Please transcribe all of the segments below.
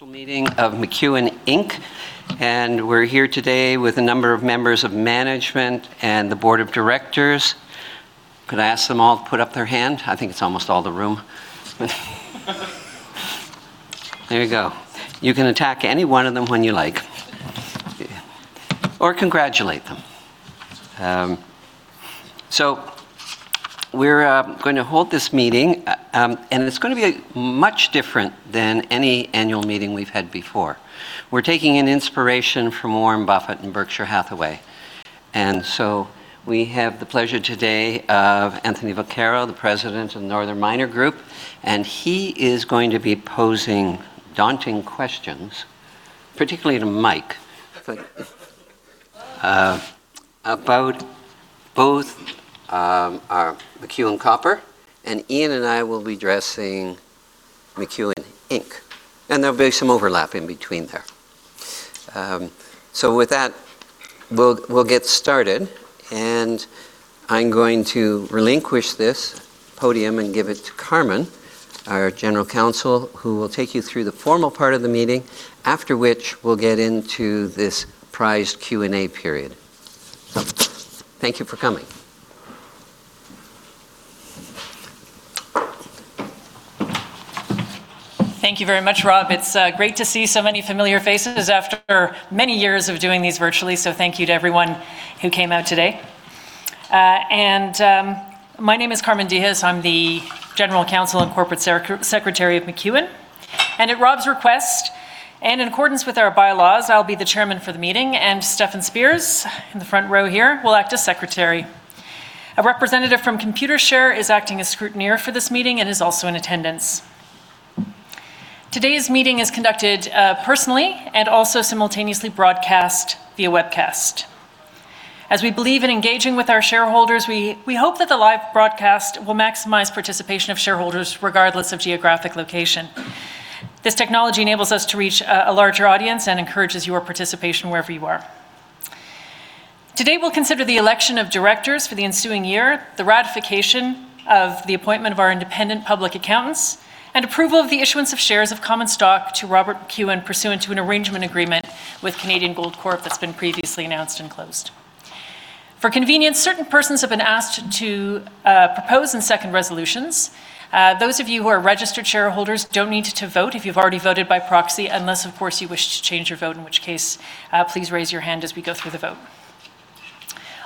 special meeting of McEwen Inc. We're here today with a number of members of management and the board of directors. Could I ask them all to put up their hand? I think it's almost all the room. There we go. You can attack any one of them when you like, or congratulate them. We're going to hold this meeting, and it's going to be much different than any annual meeting we've had before. We're taking inspiration from Warren Buffett and Berkshire Hathaway. We have the pleasure today of Anthony Vaccaro, the President of The Northern Miner Group, and he is going to be posing daunting questions, particularly to Mike, about both our McEwen Copper, and Ian and I will be addressing McEwen Inc. There'll be some overlap in between there. With that, we'll get started, and I'm going to relinquish this podium and give it to Carmen, our General Counsel, who will take you through the formal part of the meeting, after which we'll get into this prized Q&A period. Thank you for coming. Thank you very much, Rob. It's great to see so many familiar faces after many years of doing these virtually, so thank you to everyone who came out today. My name is Carmen Diges. I'm the general counsel and corporate secretary of McEwen. At Rob's request, and in accordance with our bylaws, I'll be the chairman for the meeting, and Stefan Spears, in the front row here, will act as secretary. A representative from Computershare is acting as scrutineer for this meeting and is also in attendance. Today's meeting is conducted personally and also simultaneously broadcast via webcast. As we believe in engaging with our shareholders, we hope that the live broadcast will maximize participation of shareholders regardless of geographic location. This technology enables us to reach a larger audience and encourages your participation wherever you are. Today, we'll consider the election of directors for the ensuing year, the ratification of the appointment of our independent public accountants, and approval of the issuance of shares of common stock to Robert McEwen pursuant to an arrangement agreement with Canadian Gold Corp that's been previously announced and closed. For convenience, certain persons have been asked to propose and second resolutions. Those of you who are registered shareholders don't need to vote if you've already voted by proxy, unless, of course, you wish to change your vote, in which case, please raise your hand as we go through the vote.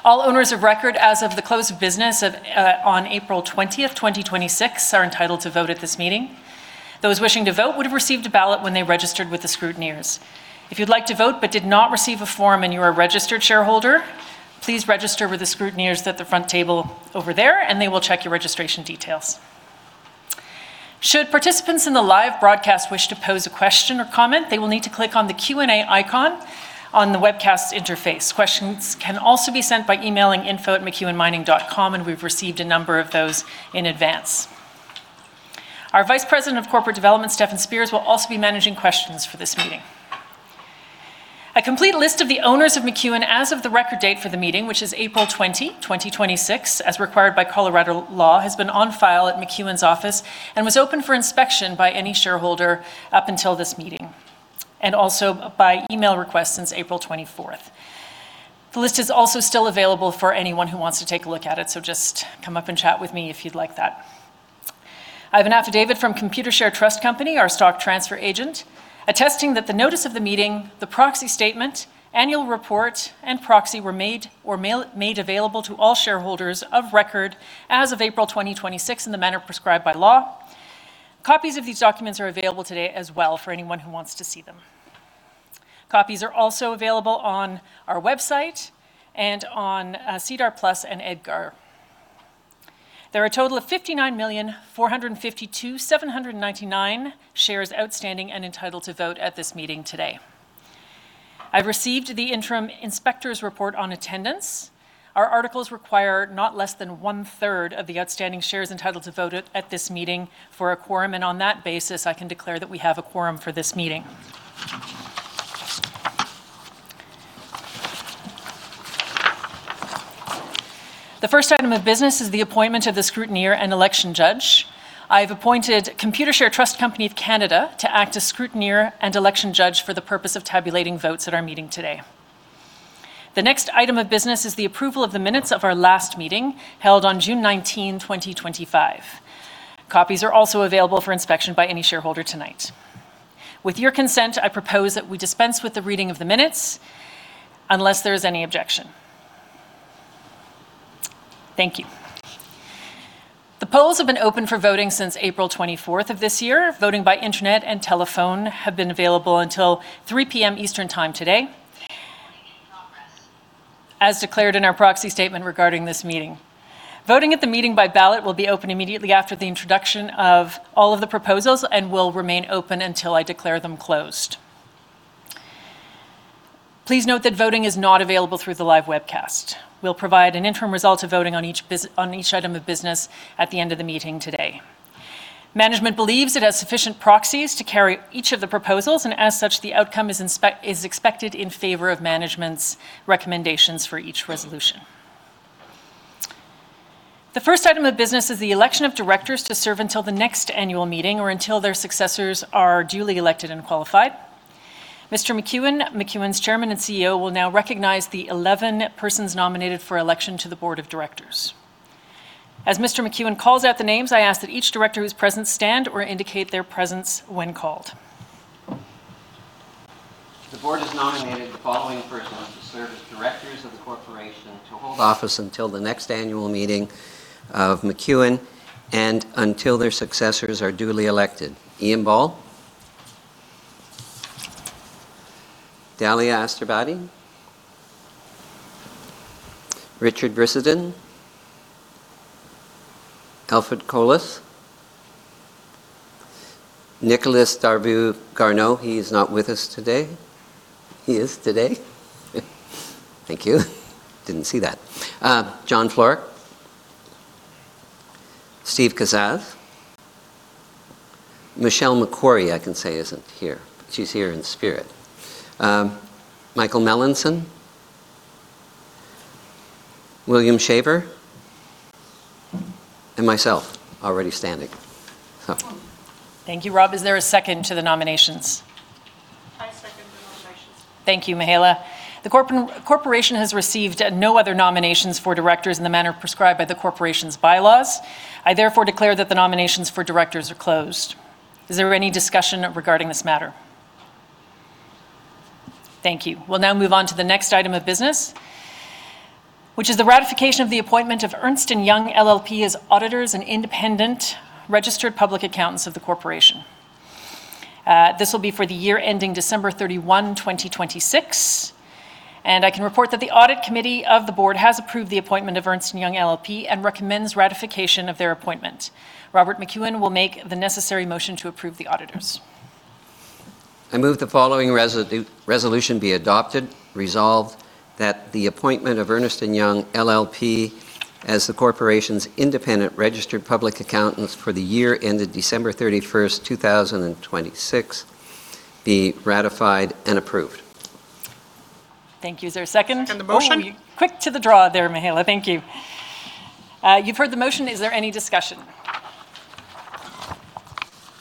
All owners of record as of the close of business on April 20th, 2026, are entitled to vote at this meeting. Those wishing to vote would have received a ballot when they registered with the scrutineers. If you'd like to vote but did not receive a form and you're a registered shareholder, please register with the scrutineers at the front table over there, and they will check your registration details. Should participants in the live broadcast wish to pose a question or comment, they will need to click on the Q&A icon on the webcast interface. Questions can also be sent by emailing info@mcewenmining.com, and we've received a number of those in advance. Our Vice President, Corporate Development, Stefan Spears, will also be managing questions for this meeting. A complete list of the owners of McEwen as of the record date for the meeting, which is April 20, 2026, as required by Colorado law, has been on file at McEwen's office and was open for inspection by any shareholder up until this meeting, and also by email request since April 24th. The list is also still available for anyone who wants to take a look at it, so just come up and chat with me if you'd like that. I have an affidavit from Computershare Trust Company, our stock transfer agent, attesting that the notice of the meeting, the proxy statement, annual report, and proxy were made available to all shareholders of record as of April 2026 in the manner prescribed by law. Copies of these documents are available today as well for anyone who wants to see them. Copies are also available on our website and on SEDAR+ and EDGAR. There are a total of 59,452,799 shares outstanding and entitled to vote at this meeting today. I've received the interim inspector's report on attendance. Our articles require not less than one-third of the outstanding shares entitled to vote at this meeting for a quorum, and on that basis, I can declare that we have a quorum for this meeting. The first item of business is the appointment of the scrutineer and election judge. I have appointed Computershare Trust Company of Canada to act as scrutineer and election judge for the purpose of tabulating votes at our meeting today. The next item of business is the approval of the minutes of our last meeting, held on June 19, 2025. Copies are also available for inspection by any shareholder tonight. With your consent, I propose that we dispense with the reading of the minutes, unless there is any objection. Thank you. The polls have been open for voting since April 24th of this year. Voting by internet and telephone have been available until 3:00 P.M. Eastern Time today as declared in our proxy statement regarding this meeting. Voting at the meeting by ballot will be open immediately after the introduction of all of the proposals and will remain open until I declare them closed. Please note that voting is not available through the live webcast. We'll provide an interim result of voting on each item of business at the end of the meeting today. Management believes it has sufficient proxies to carry each of the proposals, and as such, the outcome is expected in favor of management's recommendations for each resolution. The first item of business is the election of directors to serve until the next annual meeting or until their successors are duly elected and qualified. Mr. McEwen's Chairman and CEO, will now recognize the 11 persons nominated for election to the Board of Directors. As Mr. McEwen calls out the names, I ask that each director who's present stand or indicate their presence when called. The board has nominated the following persons to serve as directors of the corporation to hold office until the next annual meeting of McEwen and until their successors are duly elected. Ian Ball. Dalia Asterbadi. Richard Brissenden. Alfred Colas. Nicolas Darveau-Garneau. He is not with us today. He is today. Thank you. Didn't see that. John Florek. Steve Kaszas. Michelle Makori, I can say isn't here. She's here in spirit. Michael Melanson. William Shaver. And myself, already standing. Thank you, Rob. Is there a second to the nominations? I second the nominations. Thank you, Mihaela. The corporation has received no other nominations for directors in the manner prescribed by the corporation's bylaws. I therefore declare that the nominations for directors are closed. Is there any discussion regarding this matter? Thank you. We'll now move on to the next item of business, which is the ratification of the appointment of Ernst & Young LLP as auditors and independent registered public accountants of the corporation. This will be for the year ending December 31, 2026. I can report that the audit committee of the board has approved the appointment of Ernst & Young LLP and recommends ratification of their appointment. Robert McEwen will make the necessary motion to approve the auditors. I move the following resolution be adopted. Resolved, that the appointment of Ernst & Young LLP as the corporation's independent registered public accountants for the year ended December 31st, 2026, be ratified and approved. Thank you. Is there a second? Second the motion. Oh, you're quick to the draw there, Mihaela. Thank you. You've heard the motion. Is there any discussion?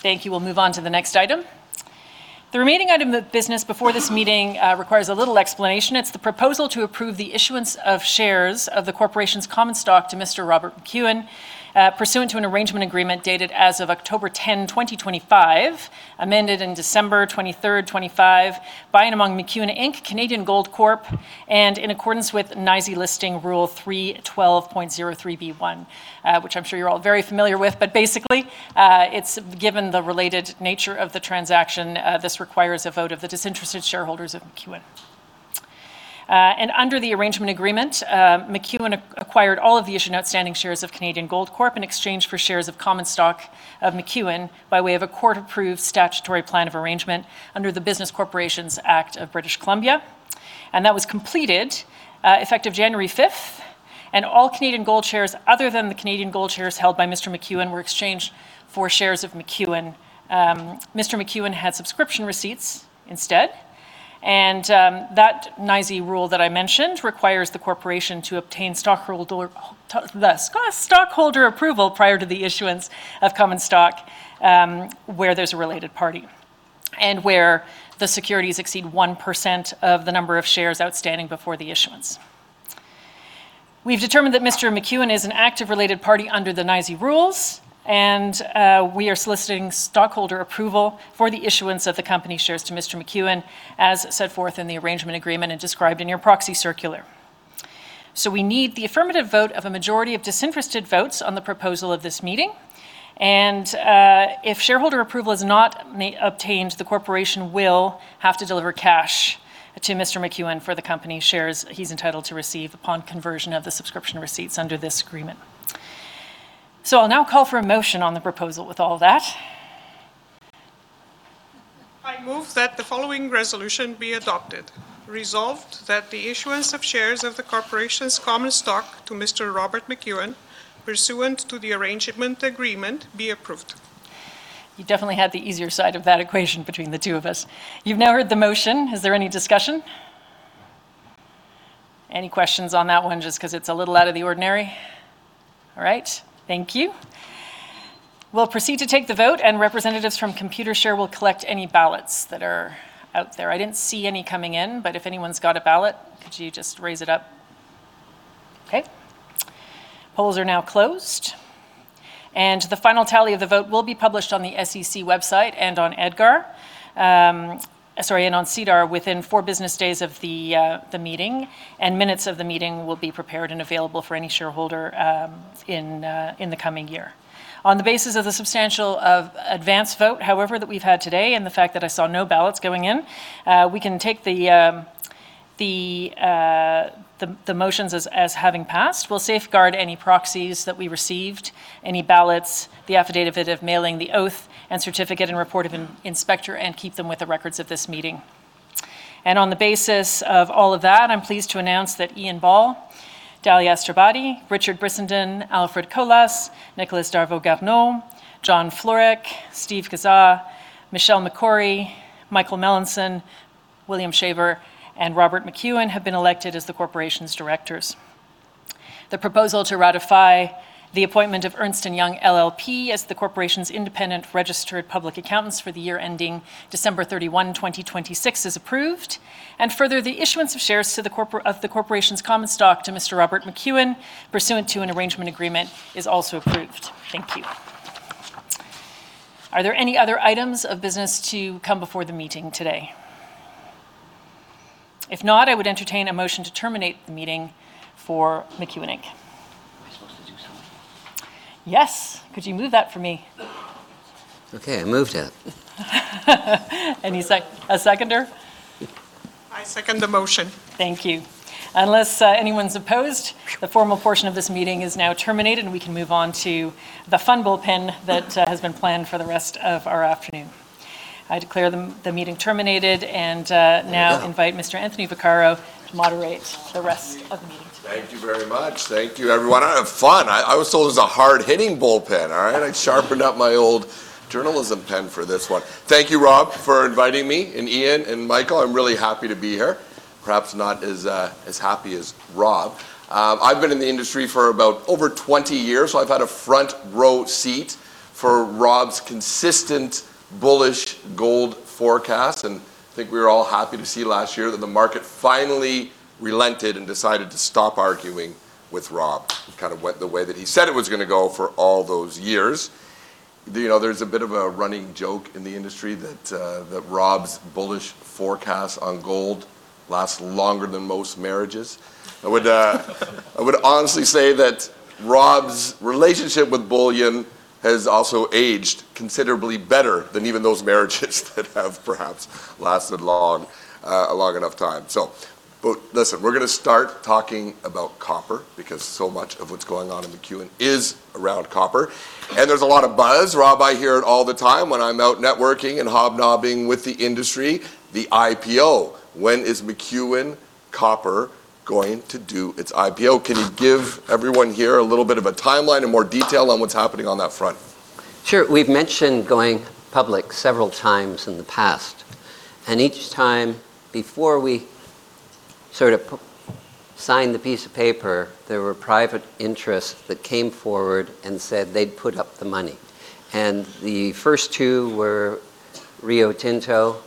Thank you. We'll move on to the next item. The remaining item of business before this meeting requires a little explanation. It's the proposal to approve the issuance of shares of the corporation's common stock to Mr. Robert McEwen pursuant to an arrangement agreement dated as of October 10, 2025, amended in December 23, 2025, by and among McEwen Inc, Canadian Gold Corp, and in accordance with NYSE Listing Rule 312.03(1), which I'm sure you're all very familiar with. Basically, given the related nature of the transaction, this requires a vote of the disinterested shareholders of McEwen. Under the arrangement agreement, McEwen acquired all of the issued and outstanding shares of Canadian Gold Corp in exchange for shares of common stock of McEwen by way of a court-approved statutory plan of arrangement under the Business Corporations Act of British Columbia. That was completed effective January 5th. All Canadian Gold shares other than the Canadian Gold shares held by Mr. McEwen were exchanged for shares of McEwen. Mr. McEwen had subscription receipts instead. That NYSE rule that I mentioned requires the corporation to obtain stockholder approval prior to the issuance of common stock, where there's a related party, and where the securities exceed 1% of the number of shares outstanding before the issuance. We've determined that Mr. McEwen is an active related party under the NYSE rules, and we are soliciting stockholder approval for the issuance of the company shares to Mr. McEwen, as set forth in the arrangement agreement and described in your proxy circular. We need the affirmative vote of a majority of disinterested votes on the proposal of this meeting. If shareholder approval is not obtained, the corporation will have to deliver cash to Mr. McEwen for the company shares he's entitled to receive upon conversion of the subscription receipts under this agreement. I'll now call for a motion on the proposal with all that. I move that the following resolution be adopted. Resolved, that the issuance of shares of the corporation's common stock to Mr. Robert McEwen pursuant to the arrangement agreement be approved. You definitely had the easier side of that equation between the two of us. You've now heard the motion. Is there any discussion? Any questions on that one, just because it's a little out of the ordinary? All right. Thank you. We'll proceed to take the vote, and representatives from Computershare will collect any ballots that are out there. I didn't see any coming in, but if anyone's got a ballot, could you just raise it up? Okay. Polls are now closed. The final tally of the vote will be published on the SEC website and on EDGAR, Sorry, and on SEDAR within four business days of the meeting. Minutes of the meeting will be prepared and available for any shareholder in the coming year. On the basis of the substantial advance vote, however, that we've had today, and the fact that I saw no ballots going in, we can take the motions as having passed. We'll safeguard any proxies that we received, any ballots, the affidavit of mailing, the oath, and certificate and report of inspector, and keep them with the records of this meeting. On the basis of all of that, I'm pleased to announce that Ian Ball, Dalia Asterbadi, Richard Brissenden, Alfred Colas, Nicolas Darveau-Garneau, John Florek, Steve Kaszas, Michelle Makori, Michael Melanson, William Shaver and Robert McEwen have been elected as the corporation's directors. The proposal to ratify the appointment of Ernst & Young LLP as the corporation's independent registered public accountants for the year ending December 31, 2026 is approved, and further, the issuance of shares of the corporation's common stock to Mr. Robert McEwen pursuant to an arrangement agreement is also approved. Thank you. Are there any other items of business to come before the meeting today? If not, I would entertain a motion to terminate the meeting for McEwen Inc. Am I supposed to do something? Yes. Could you move that for me? Okay, I move that. Any a seconder? I second the motion. Thank you. Unless anyone's opposed, the formal portion of this meeting is now terminated, and we can move on to the fun bullpen that has been planned for the rest of our afternoon. I declare the meeting terminated. There you go. And now invite Mr. Anthony Vaccaro to moderate the rest of the meeting. Thank you very much. Thank you, everyone. I have fun. I was told it was a hard-hitting bullpen. All right. I sharpened up my old journalism pen for this one. Thank you, Rob, for inviting me, and Ian and Michael. I'm really happy to be here. Perhaps not as happy as Rob. I've been in the industry for about over 20 years, so I've had a front row seat for Rob's consistent bullish gold forecast, and I think we were all happy to see last year that the market finally relented and decided to stop arguing with Rob and kind of went the way that he said it was going to go for all those years. There's a bit of a running joke in the industry that Rob's bullish forecast on gold lasts longer than most marriages. I would honestly say that Rob's relationship with bullion has also aged considerably better than even those marriages that have perhaps lasted a long enough time. Listen, we're going to start talking about copper because so much of what's going on in McEwen is around copper, and there's a lot of buzz. Rob, I hear it all the time when I'm out networking and hobnobbing with the industry. The IPO, when is McEwen Copper going to do its IPO? Can you give everyone here a little bit of a timeline and more detail on what's happening on that front? Sure. We've mentioned going public several times in the past, each time before we sort of signed the piece of paper, there were private interests that came forward and said they'd put up the money, the first two were Rio Tinto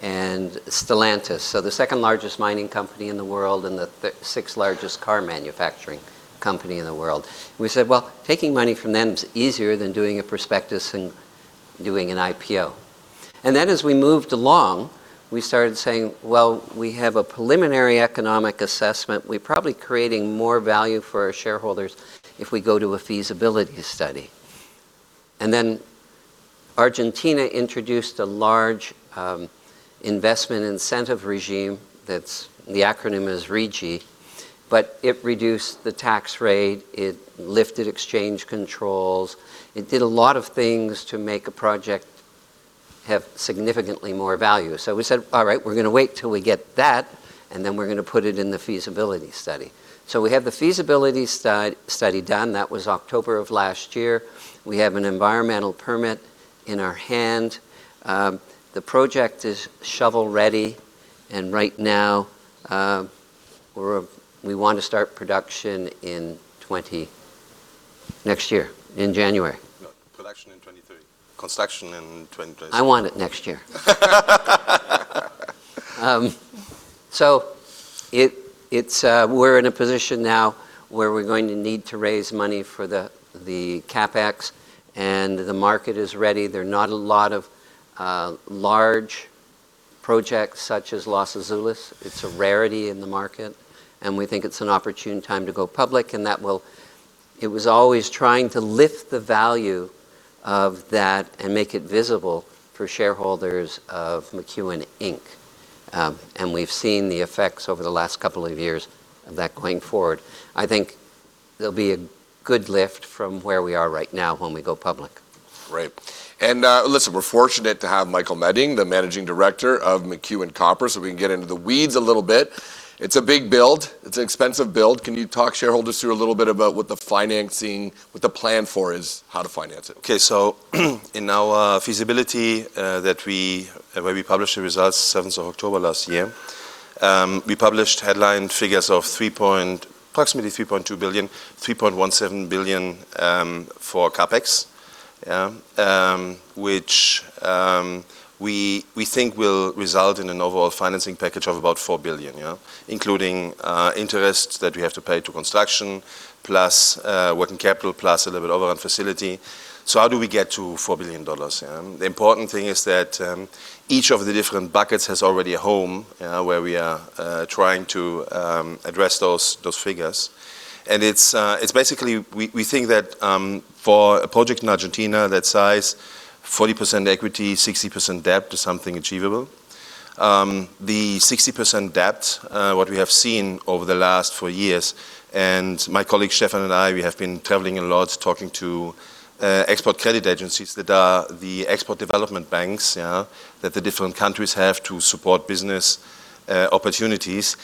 and Stellantis, so the second-largest mining company in the world and the sixth-largest car manufacturing company in the world. We said, well, taking money from them is easier than doing a prospectus and doing an IPO. As we moved along, we started saying, well, we have a preliminary economic assessment. We're probably creating more value for our shareholders if we go to a feasibility study. Argentina introduced a large investment incentive regime. The acronym is RIGI. It reduced the tax rate, it lifted exchange controls, it did a lot of things to make a project have significantly more value. We said, all right. We're going to wait till we get that, and then we're going to put it in the feasibility study. We have the feasibility study done. That was October of last year. We have an environmental permit in our hand. The project is shovel-ready, and right now, we want to start production next year in January. No. Production in 2026. Construction in 2026. I want it next year. We're in a position now where we're going to need to raise money for the CapEx, and the market is ready. There are not a lot of large projects such as Los Azules. It's a rarity in the market, and we think it's an opportune time to go public. It was always trying to lift the value of that and make it visible for shareholders of McEwen Inc, and we've seen the effects over the last couple of years of that going forward. I think there'll be a good lift from where we are right now when we go public. Great. Listen, we're fortunate to have Michael Meding, the Managing Director of McEwen Copper, so we can get into the weeds a little bit. It's a big build. It's an expensive build. Can you talk shareholders through a little bit about what the plan for is how to finance it? Okay. In our feasibility where we published the results 7th of October last year, we published headline figures of approximately $3.2 billion, $3.17 billion for CapEx, which we think will result in an overall financing package of about $4 billion, including interests that we have to pay to construction, plus working capital, plus a little bit of overrun facility. How do we get to $4 billion? The important thing is that each of the different buckets has already a home where we are trying to address those figures. It's basically we think that for a project in Argentina that size, 40% equity, 60% debt is something achievable. The 60% debt, what we have seen over the last four years, and my colleague Stefan and I, we have been traveling a lot, talking to export credit agencies that are the export development banks that the different countries have to support business opportunities.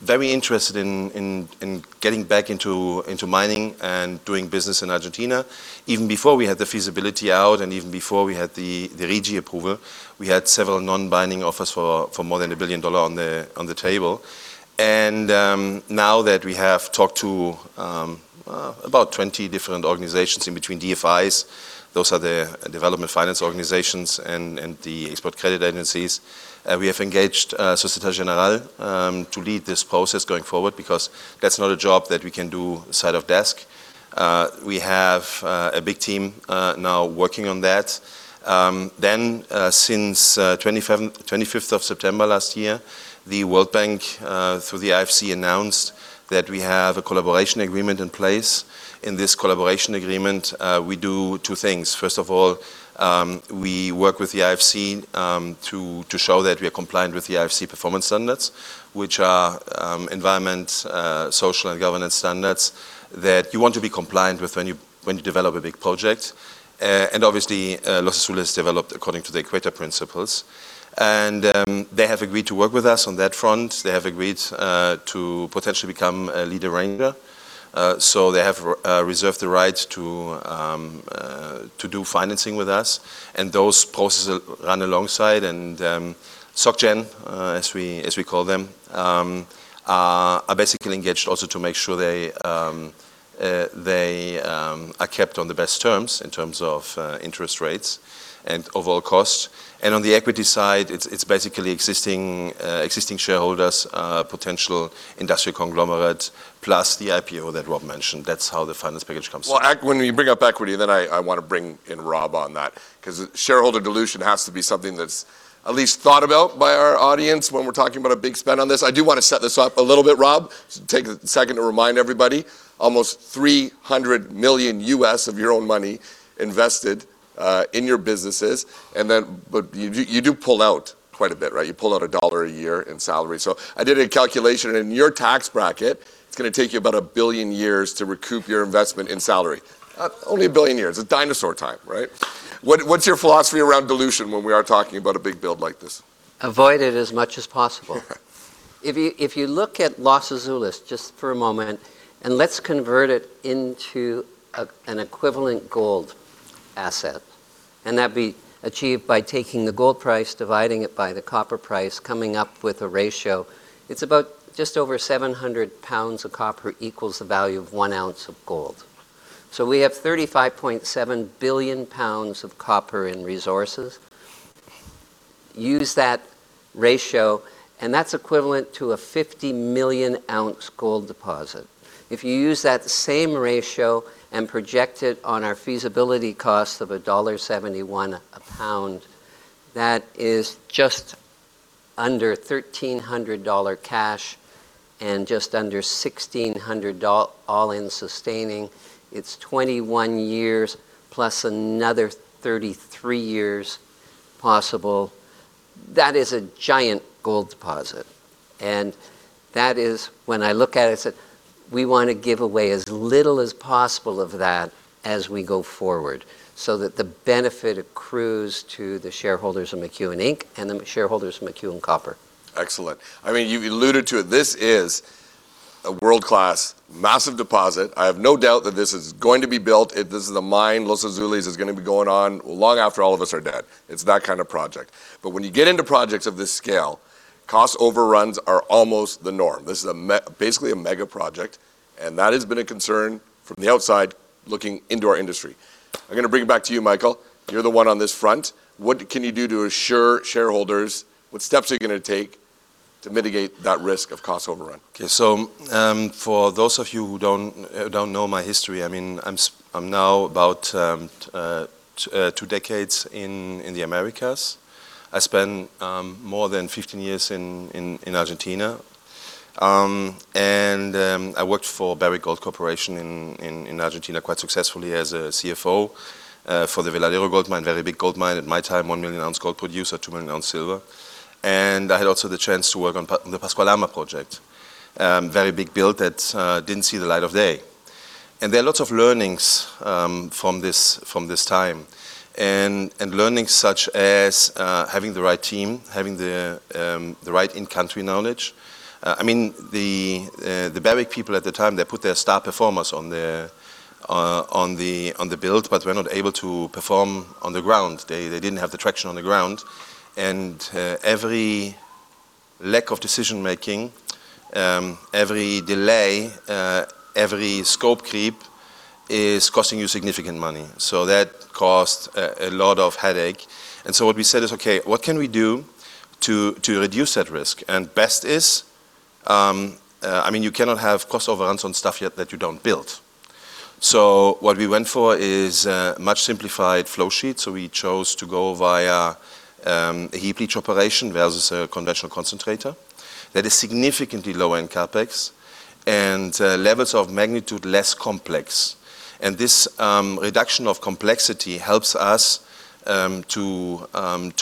Very interested in getting back into mining and doing business in Argentina. Even before we had the feasibility out and even before we had the RIGI approval, we had several non-binding offers for more than $1 billion on the table. Now that we have talked to about 20 different organizations in between DFIs, those are the Development Finance Organizations and the export credit agencies, we have engaged Societe Generale to lead this process going forward because that's not a job that we can do side of desk. We have a big team now working on that. Since 25th of September last year, the World Bank, through the IFC, announced that we have a collaboration agreement in place. In this collaboration agreement, we do two things. First of all, we work with the IFC to show that we are compliant with the IFC Performance Standards, which are environment, social, and governance standards that you want to be compliant with when you develop a big project. Obviously, Los Azules developed according to the Equator Principles. They have agreed to work with us on that front. They have agreed to potentially become a lead arranger. They have reserved the right to do financing with us, and those processes run alongside. Soc Gen, as we call them, are basically engaged also to make sure they are kept on the best terms in terms of interest rates and overall cost. On the equity side, it's basically existing shareholders, a potential industrial conglomerate, plus the IPO that Rob mentioned. That's how the finance package comes together. When we bring up equity, I want to bring in Rob on that because shareholder dilution has to be something that's at least thought about by our audience when we're talking about a big spend on this. I do want to set this up a little bit, Rob. Take a second to remind everybody. Almost $300 million U.S. of your own money invested in your businesses. You do pull out quite a bit, right? You pull out $1 a year in salary. I did a calculation, in your tax bracket, it's going to take you about 1 billion years to recoup your investment in salary. Only 1 billion years. It's dinosaur time, right? What's your philosophy around dilution when we are talking about a big build like this? Avoid it as much as possible. If you look at Los Azules just for a moment and let's convert it into an equivalent gold asset, and that'd be achieved by taking the gold price, dividing it by the copper price, coming up with a ratio. It's about just over 700 pounds of copper equals the value of one ounce of gold. We have 35.7 billion pounds of copper in resources. Use that ratio, and that's equivalent to a 50 million ounce gold deposit. If you use that same ratio and project it on our feasibility cost of $1.71 a pound, that is just under $1,300 cash and just under $1,600 all-in sustaining. It's 21 years plus another 33 years possible. That is a giant gold deposit, and that is, when I look at it, I said we want to give away as little as possible of that as we go forward so that the benefit accrues to the shareholders of McEwen Inc and the shareholders of McEwen Copper. Excellent. You alluded to it. This is a world-class, massive deposit. I have no doubt that this is going to be built. This is a mine. Los Azules is going to be going on long after all of us are dead. It's that kind of project. When you get into projects of this scale, cost overruns are almost the norm. This is basically a mega project, and that has been a concern from the outside looking into our industry. I'm going to bring it back to you, Michael. You're the one on this front. What can you do to assure shareholders what steps you're going to take to mitigate that risk of cost overrun? For those of you who don't know my history, I'm now about two decades in the Americas. I spent more than 15 years in Argentina. I worked for Barrick Gold Corporation in Argentina quite successfully as a CFO for the Veladero gold mine, very big gold mine in my time, 1 million ounce gold producer, 2 million ounce silver. I had also the chance to work on the Pascua Lama project, a very big build that didn't see the light of day. There are lots of learnings from this time and learnings such as having the right team, having the right in-country knowledge. The Barrick people at the time, they put their star performers on the build, but were not able to perform on the ground. They didn't have the traction on the ground. Every lack of decision-making, every delay, every scope creep is costing you significant money. That caused a lot of headache. What we said is, "Okay, what can we do to reduce that risk?" Best is, you cannot have cost overruns on stuff yet that you don't build. What we went for is a much-simplified flow sheet. We chose to go via a heap leach operation rather as a conventional concentrator that is significantly lower in CapEx and levels of magnitude less complex. This reduction of complexity helps us to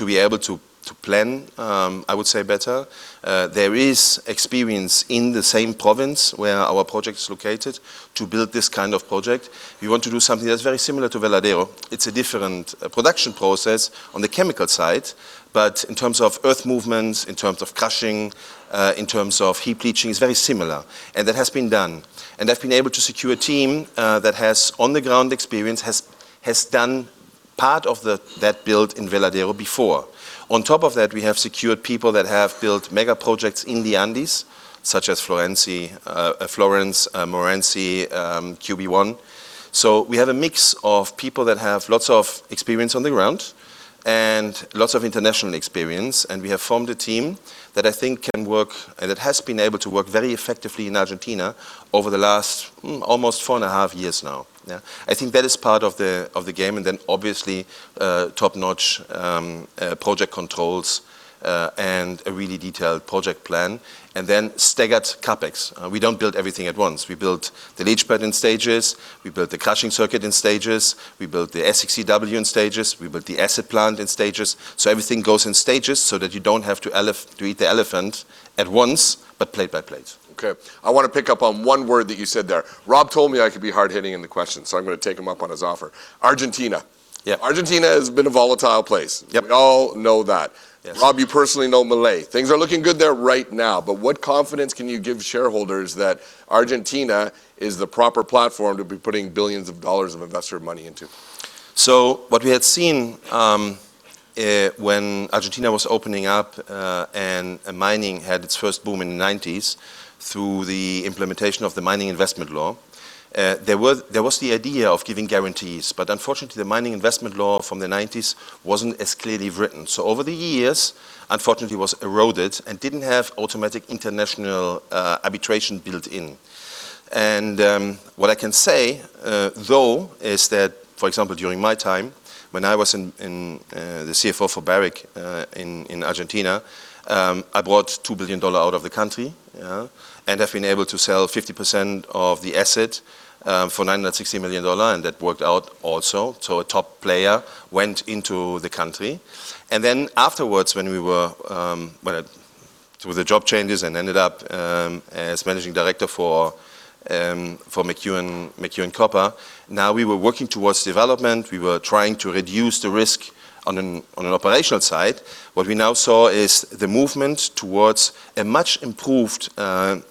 be able to plan, I would say, better. There is experience in the same province where our project is located to build this kind of project. We want to do something that's very similar to Veladero. It's a different production process on the chemical side, but in terms of earth movements, in terms of crushing, in terms of heap leach, it's very similar, and that has been done. I've been able to secure a team that has on-the-ground experience, has done part of that build in Veladero before. We have secured people that have built mega projects in the Andes, such as Florence, Morenci, QB1. We have a mix of people that have lots of experience on the ground and lots of international experience, and we have formed a team that I think can work, and it has been able to work very effectively in Argentina over the last almost four and a half years now. Yeah. I think that is part of the game. Obviously top-notch project controls and a really detailed project plan and then staggered CapEx. We don't build everything at once. We build the leach pad in stages. We build the crushing circuit in stages. We build the SX-EW in stages. We build the acid plant in stages. Everything goes in stages so that you don't have to eat the elephant at once, but plate by plate. Okay. I want to pick up on one word that you said there. Rob told me I could be hard-hitting in the questions, so I'm going to take him up on his offer. Argentina. Yeah. Argentina has been a volatile place. Yep. We all know that. Yes. Rob, you personally know Milei. Things are looking good there right now, but what confidence can you give shareholders that Argentina is the proper platform to be putting billions of dollars of investor money into? What we had seen when Argentina was opening up and mining had its first boom in the 1990s through the implementation of the Mining Investment Law there was the idea of giving guarantees, but unfortunately, the Mining Investment Law from the 1990s wasn't as clearly written. Over the years, unfortunately, it was eroded and didn't have automatic international arbitration built in. What I can say though is that, for example, during my time when I was the CFO for Barrick in Argentina, I brought $2 billion out of the country. Have been able to sell 50% of the asset for $960 million and that worked out also. A top player went into the country. Then afterwards through the job changes and ended up as Managing Director for McEwen Copper. Now we were working towards development. We were trying to reduce the risk on an operational side. What we now saw is the movement towards a much-improved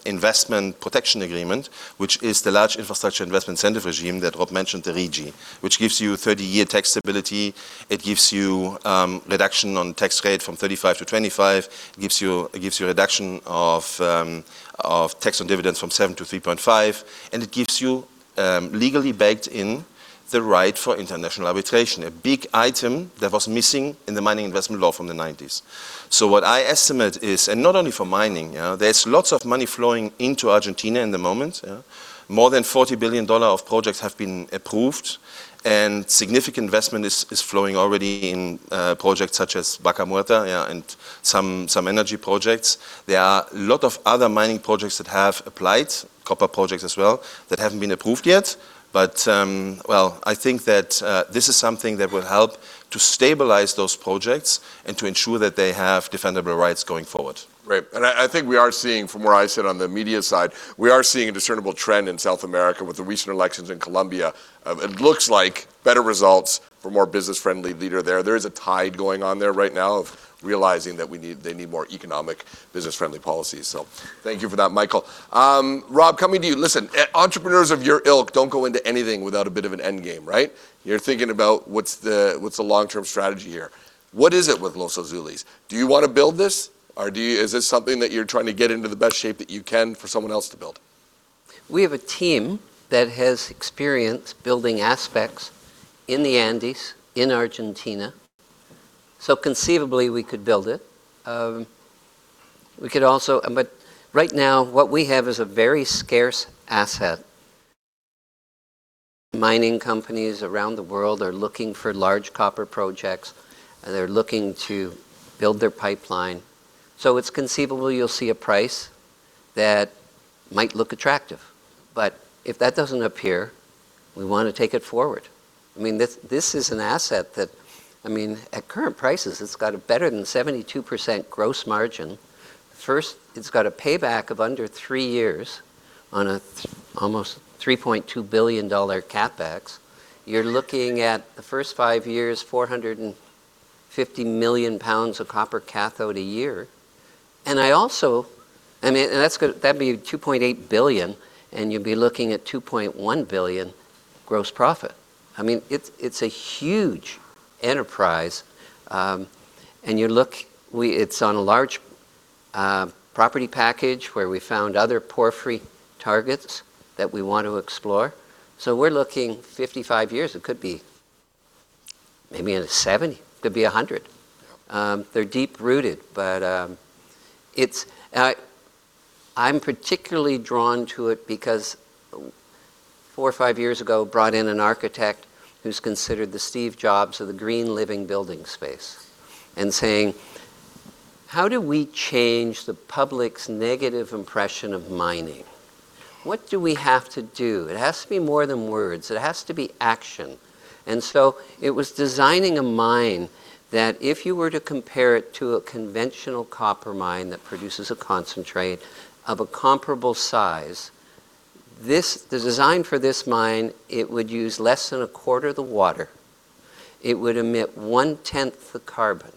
investment protection agreement, which is the large infrastructure investment incentive regime that Rob mentioned, the RIGI, which gives you 30-year tax stability. It gives you reduction on tax rate from 35% to 25%. It gives you a reduction of tax on dividends from 7% to 3.5%, and it gives you legally baked in the right for international arbitration. A big item that was missing in the Mining Investment Law from the 1990s. What I estimate is, and not only for mining, there's lots of money flowing into Argentina in the moment. More than $40 billion of projects have been approved and significant investment is flowing already in projects such as Vaca Muerta, and some energy projects. There are a lot of other mining projects that have applied, copper projects as well, that haven't been approved yet. Well, I think that this is something that will help to stabilize those projects and to ensure that they have defendable rights going forward. I think we are seeing from where I sit on the media side, we are seeing a discernible trend in South America with the recent elections in Colombia of it looks like better results for more business-friendly leader there. There is a tide going on there right now of realizing that they need more economic business-friendly policies. Thank you for that, Michael. Rob, coming to you. Listen, entrepreneurs of your ilk don't go into anything without a bit of an end game, right? You're thinking about what's the long-term strategy here. What is it with Los Azules? Do you want to build this? Is this something that you're trying to get into the best shape that you can for someone else to build? We have a team that has experience building aspects in the Andes, in Argentina. Conceivably, we could build it. Right now what we have is a very scarce asset. Mining companies around the world are looking for large copper projects, and they're looking to build their pipeline. Conceivable you'll see a price that might look attractive, but if that doesn't appear, we want to take it forward. This is an asset that at current prices, it's got a better than 72% gross margin. First, it's got a payback of under three years on an almost $3.2 billion CapEx. You're looking at the first five years, 450 million pounds of copper cathode a year. That'd be $2.8 billion and you'd be looking at $2.1 billion gross profit. It's a huge enterprise. It's on a large property package where we found other porphyry targets that we want to explore. We're looking 55 years. It could be maybe 70, could be 100. Yep. They're deep-rooted. I'm particularly drawn to it because four or five years ago, brought in an architect who's considered the Steve Jobs of the green living building space and saying, "How do we change the public's negative impression of mining? What do we have to do? It has to be more than words. It has to be action." It was designing a mine that if you were to compare it to a conventional copper mine that produces a concentrate of a comparable size, the design for this mine, it would use less than a quarter of the water. It would emit one-tenth the carbon.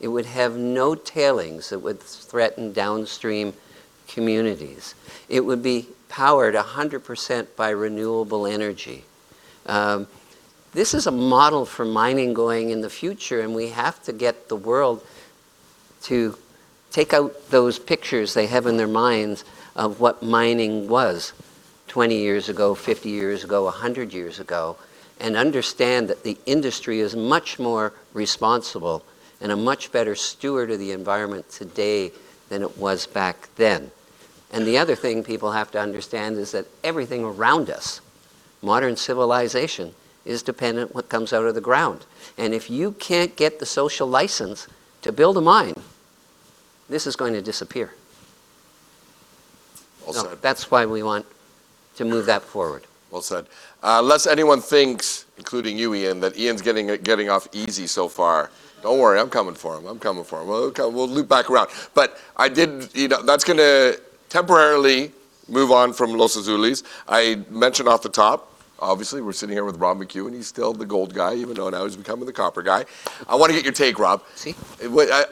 It would have no tailings that would threaten downstream communities. It would be powered 100% by renewable energy. This is a model for mining going in the future. We have to get the world to take out those pictures they have in their minds of what mining was 20 years ago, 50 years ago, 100 years ago, and understand that the industry is much more responsible and a much better steward of the environment today than it was back then. The other thing people have to understand is that everything around us, modern civilization, is dependent on what comes out of the ground. If you can't get the social license to build a mine, this is going to disappear. Well said. That's why we want to move that forward. Well said. Unless anyone thinks, including you, Ian, that Ian's getting off easy so far, don't worry, I'm coming for him. We'll loop back around. That's going to temporarily move on from Los Azules. I mentioned off the top, obviously, we're sitting here with Rob McEwen. He's still the gold guy, even though now he's becoming the copper guy. I want to get your take, Rob. See?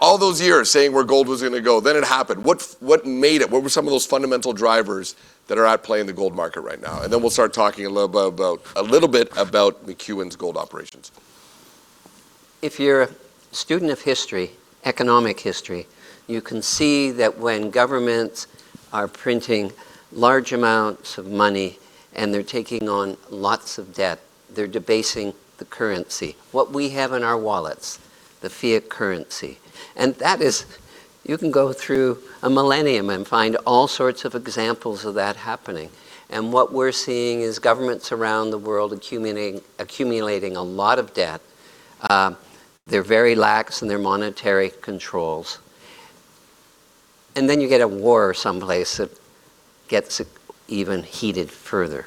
All those years saying where gold was going to go, then it happened. What made it? What were some of those fundamental drivers that are at play in the gold market right now? Then we'll start talking a little bit about McEwen's gold operations. If you're a student of history, economic history, you can see that when governments are printing large amounts of money and they're taking on lots of debt, they're debasing the currency. What we have in our wallets, the fiat currency. That is, you can go through a millennium and find all sorts of examples of that happening, and what we're seeing is governments around the world accumulating a lot of debt. They're very lax in their monetary controls. Then you get a war someplace that gets it even heated further.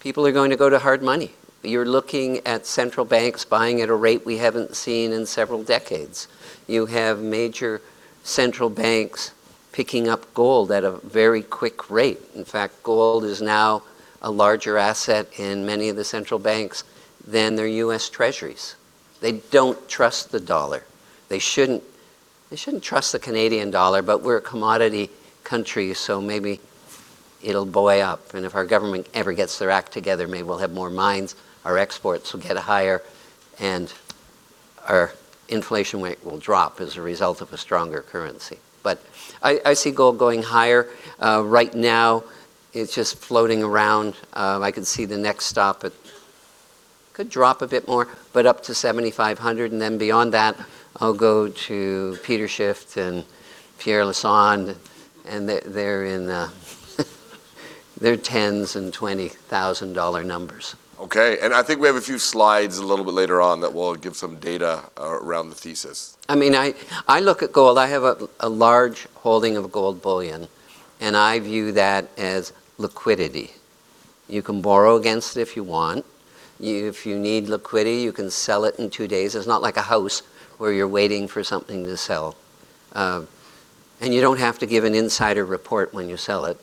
People are going to go to hard money. You're looking at central banks buying at a rate we haven't seen in several decades. You have major central banks picking up gold at a very quick rate. In fact, gold is now a larger asset in many of the central banks than their U.S. Treasuries. They don't trust the dollar. They shouldn't trust the Canadian dollar. We're a commodity country, so maybe it'll buoy up. If our government ever gets their act together, maybe we'll have more mines, our exports will get higher, and our inflation rate will drop as a result of a stronger currency. I see gold going higher. Right now, it's just floating around. I could see the next stop at, could drop a bit more, but up to $7,500, and then beyond that, I'll go to Peter Schiff and Pierre Lassonde, and they're in their tens and $20,000 numbers. Okay. I think we have a few slides a little bit later on that will give some data around the thesis. I look at gold. I have a large holding of gold bullion. I view that as liquidity. You can borrow against it if you want. If you need liquidity, you can sell it in two days. It's not like a house where you're waiting for something to sell. You don't have to give an insider report when you sell it.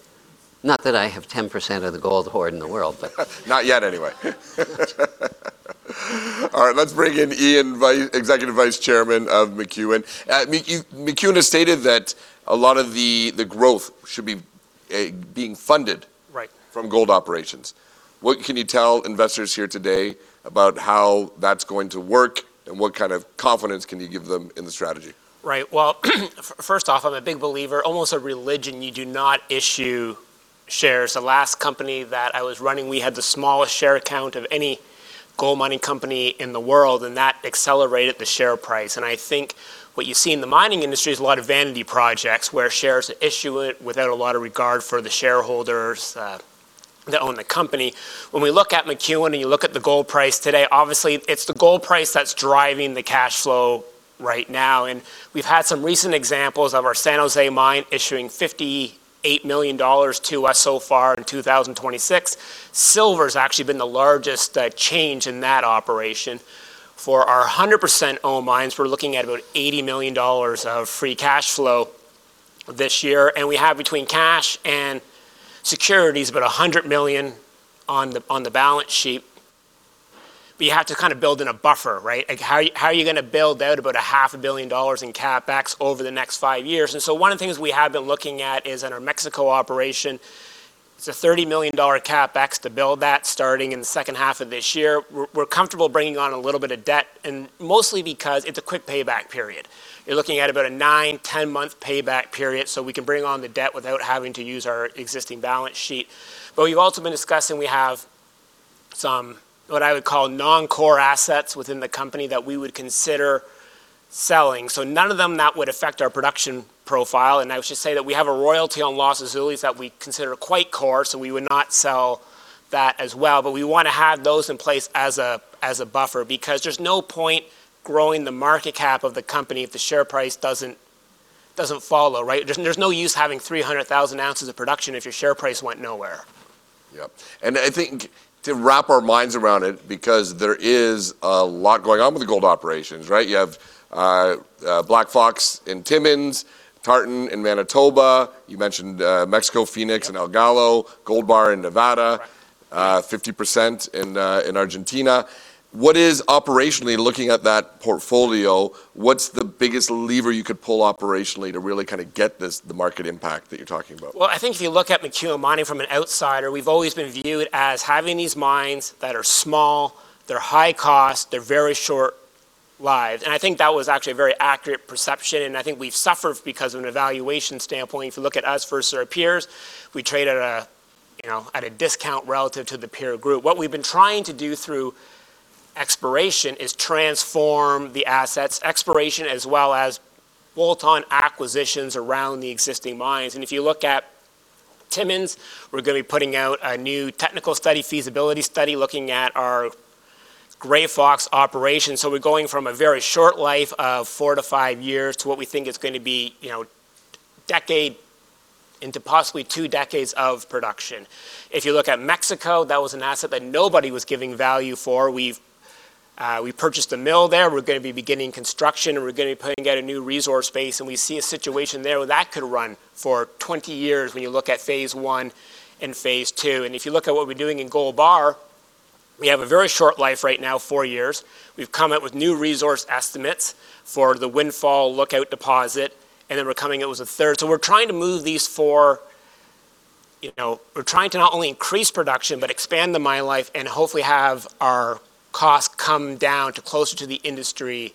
Not that I have 10% of the gold hoard in the world. Not yet, anyway. Let's bring in Ian, Executive Vice Chairman of McEwen. McEwen has stated that a lot of the growth should be being funded- Right from gold operations. What can you tell investors here today about how that's going to work, and what kind of confidence can you give them in the strategy? Right. Well, first off, I am a big believer, almost a religion, you do not issue shares. The last company that I was running, we had the smallest share count of any gold mining company in the world, and that accelerated the share price. I think what you see in the mining industry is a lot of vanity projects where shares are issued without a lot of regard for the shareholders that own the company. When we look at McEwen and you look at the gold price today, obviously, it is the gold price that is driving the cash flow right now, and we have had some recent examples of our San José mine issuing $58 million to us so far in 2026. Silver's actually been the largest change in that operation. For our 100% owned mines, we're looking at about $80 million of free cash flow this year. We have between cash and securities, about $100 million on the balance sheet. You have to build in a buffer, right? How are you going to build out about a half a billion dollars in CapEx over the next five years? One of the things we have been looking at is in our Mexico operation, it's a $30 million CapEx to build that starting in the second half of this year. We're comfortable bringing on a little bit of debt, mostly because it's a quick payback period. You're looking at about a nine, 10-month payback period. We can bring on the debt without having to use our existing balance sheet. We've also been discussing, we have some, what I would call non-core assets within the company that we would consider selling. None of them that would affect our production profile, and I should say that we have a royalty on Los Azules that we consider quite core, so we would not sell that as well. We want to have those in place as a buffer because there's no point growing the market cap of the company if the share price doesn't follow, right? There's no use having 300,000 ounces of production if your share price went nowhere. Yep. I think to wrap our minds around it, because there is a lot going on with the gold operations, right? You have Black Fox in Timmins, Tartan in Manitoba. You mentioned Mexico, Fenix and El Gallo, Gold Bar in Nevada, 50% in Argentina. What is operationally looking at that portfolio, what's the biggest lever you could pull operationally to really get this, the market impact that you're talking about? Well, I think if you look at McEwen Mining from an outsider, we've always been viewed as having these mines that are small, they're high cost, they're very short lived. I think that was actually a very accurate perception, and I think we've suffered because of an evaluation standpoint. If you look at us versus our peers, we trade at a discount relative to the peer group. What we've been trying to do through exploration is transform the assets. Exploration as well as bolt-on acquisitions around the existing mines. If you look at Timmins, we're going to be putting out a new technical study, feasibility study, looking at our Grey Fox operation. We're going from a very short life of four to five years to what we think is going to be a decade into possibly two decades of production. If you look at Mexico, that was an asset that nobody was giving value for. We purchased a mill there. We're going to be beginning construction, we're going to be putting out a new resource base, we see a situation there where that could run for 20 years when you look at phase 1 and phase 2. If you look at what we're doing in Gold Bar, we have a very short life right now, four years. We've come up with new resource estimates for the Windfall Project deposit, then we're coming out with a third. We're trying to not only increase production, but expand the mine life hopefully have our costs come down to closer to the industry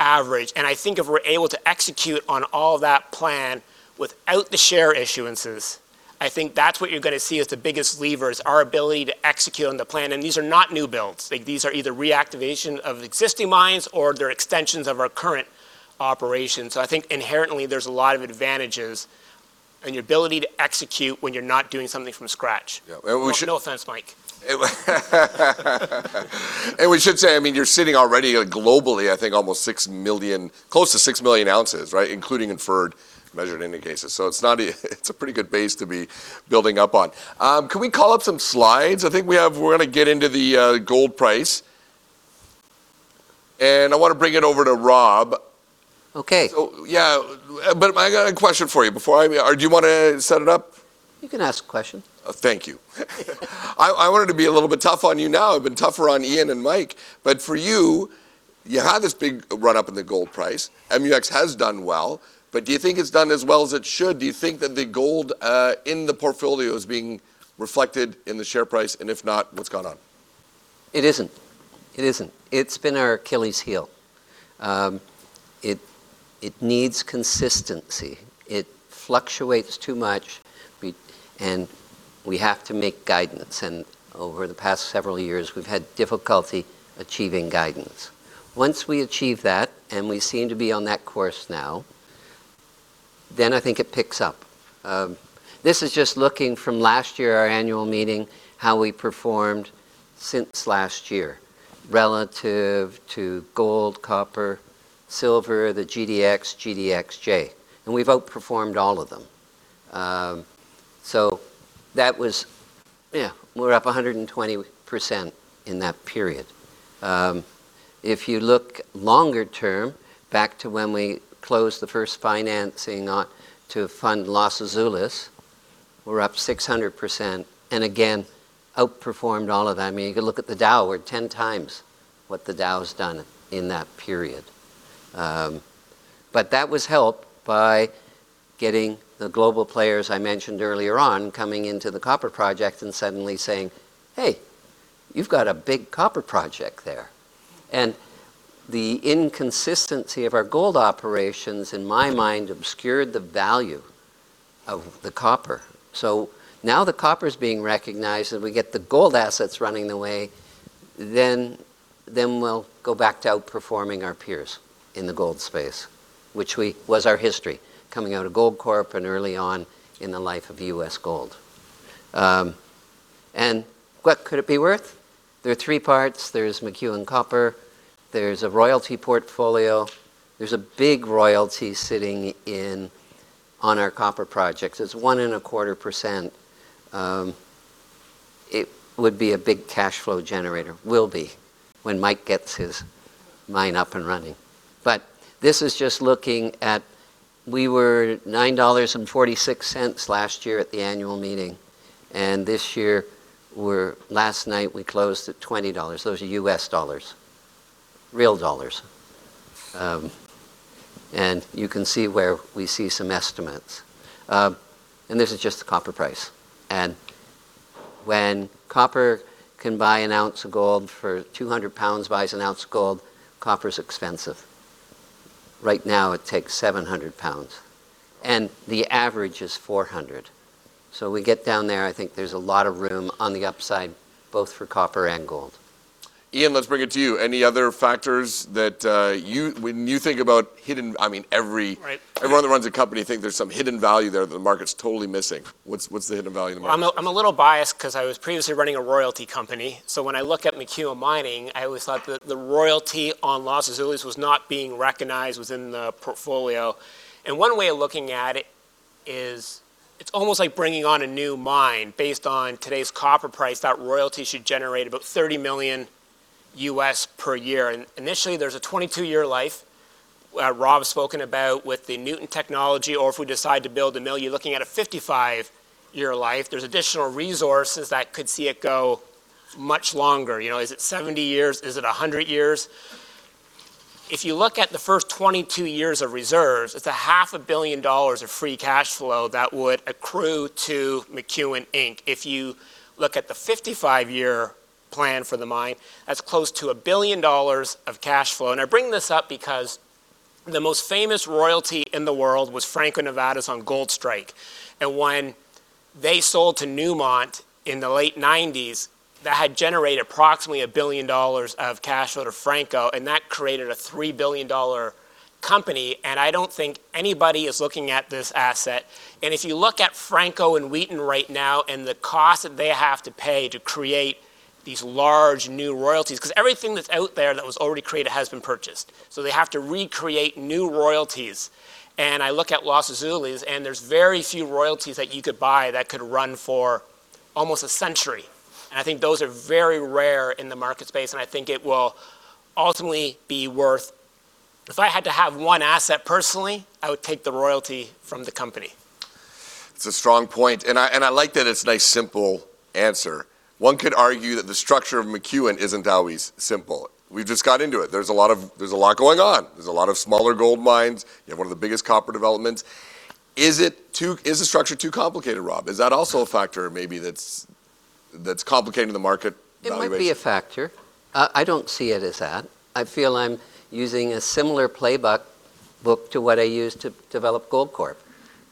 average. I think if we're able to execute on all that plan without the share issuances, I think that's what you're going to see as the biggest lever, is our ability to execute on the plan. These are not new builds. These are either reactivation of existing mines or they're extensions of our current operations. I think inherently there's a lot of advantages in your ability to execute when you're not doing something from scratch. Yeah. No offense, Mike. We should say, you're sitting already globally, I think almost close to 6 million ounces, right, including inferred measured indicated. It's a pretty good base to be building up on. Can we call up some slides? I think we're going to get into the gold price and I want to bring it over to Rob. Okay. Yeah, I got a question for you. Do you want to set it up? You can ask the question. Oh, thank you. I wanted to be a little bit tough on you now. I've been tougher on Ian and Mike, but for you had this big run-up in the gold price. MUX has done well, but do you think it's done as well as it should? Do you think that the gold in the portfolio is being reflected in the share price, and if not, what's gone on? It isn't. It's been our Achilles heel. It needs consistency. It fluctuates too much, and we have to make guidance. Over the past several years, we've had difficulty achieving guidance. Once we achieve that, and we seem to be on that course now, then I think it picks up. This is just looking from last year, our annual meeting, how we performed since last year relative to gold, copper, silver, the GDX, GDXJ. We've outperformed all of them. That was, we're up 120% in that period. If you look longer term, back to when we closed the first financing to fund Los Azules, we're up 600%, and again, outperformed all of that. You can look at the Dow. We're 10 times what the Dow's done in that period. That was helped by getting the global players I mentioned earlier on coming into the copper project and suddenly saying, "Hey, you've got a big copper project there." The inconsistency of our gold operations, in my mind, obscured the value of the copper. Now the copper's being recognized, and we get the gold assets running the way, then we'll go back to outperforming our peers in the gold space, which was our history coming out of Goldcorp and early on in the life of US Gold. What could it be worth? There are three parts. There's McEwen Copper, there's a royalty portfolio, there's a big royalty sitting in on our copper projects. It's one and a quarter percent. It would be a big cash flow generator, will be, when Mike gets his mine up and running. This is just looking at. We were $9.46 last year at the annual meeting, this year, last night we closed at $20. Those are U.S. dollars, real dollars. You can see where we see some estimates. This is just the copper price. When copper can buy an ounce of gold for 200 pounds buys an ounce of gold, copper is expensive. Right now it takes 700 pounds and the average is 400. We get down there, I think there is a lot of room on the upside, both for copper and gold. Ian, let's bring it to you. Any other factors that when you think about hidden? Right everyone that runs a company think there's some hidden value there that the market's totally missing. What's the hidden value in the market? I'm a little biased because I was previously running a royalty company. When I look at McEwen Mining, I always thought that the royalty on Los Azules was not being recognized within the portfolio. One way of looking at it is it's almost like bringing on a new mine based on today's copper price. That royalty should generate about $30 million US per year. Initially, there's a 22-year life, Rob's spoken about with the Nuton technology, or if we decide to build a mill, you're looking at a 55-year life. There's additional resources that could see it go much longer. Is it 70 years? Is it 100 years? If you look at the first 22 years of reserves, it's a half a billion dollars of free cash flow that would accrue to McEwen Inc. If you look at the 55-year plan for the mine, that's close to $1 billion of cash flow. I bring this up because the most famous royalty in the world was Franco-Nevada's on Goldstrike. When they sold to Newmont in the late 1990s, that had generated approximately $1 billion of cash flow to Franco, that created a $3 billion company, I don't think anybody is looking at this asset. If you look at Franco and Wheaton right now, the cost that they have to pay to create these large new royalties, because everything that's out there that was already created has been purchased. They have to recreate new royalties. I look at Los Azules, there's very few royalties that you could buy that could run for almost a century. I think those are very rare in the market space, and I think it will ultimately be worth. If I had to have one asset personally, I would take the royalty from the company. It's a strong point, and I like that it's a nice, simple answer. One could argue that the structure of McEwen isn't always simple. We've just got into it. There's a lot going on. There's a lot of smaller gold mines. You have one of the biggest copper developments. Is the structure too complicated, Rob? Is that also a factor maybe that's complicating the market valuations? It might be a factor. I don't see it as that. I feel I'm using a similar playbook to what I used to develop Goldcorp,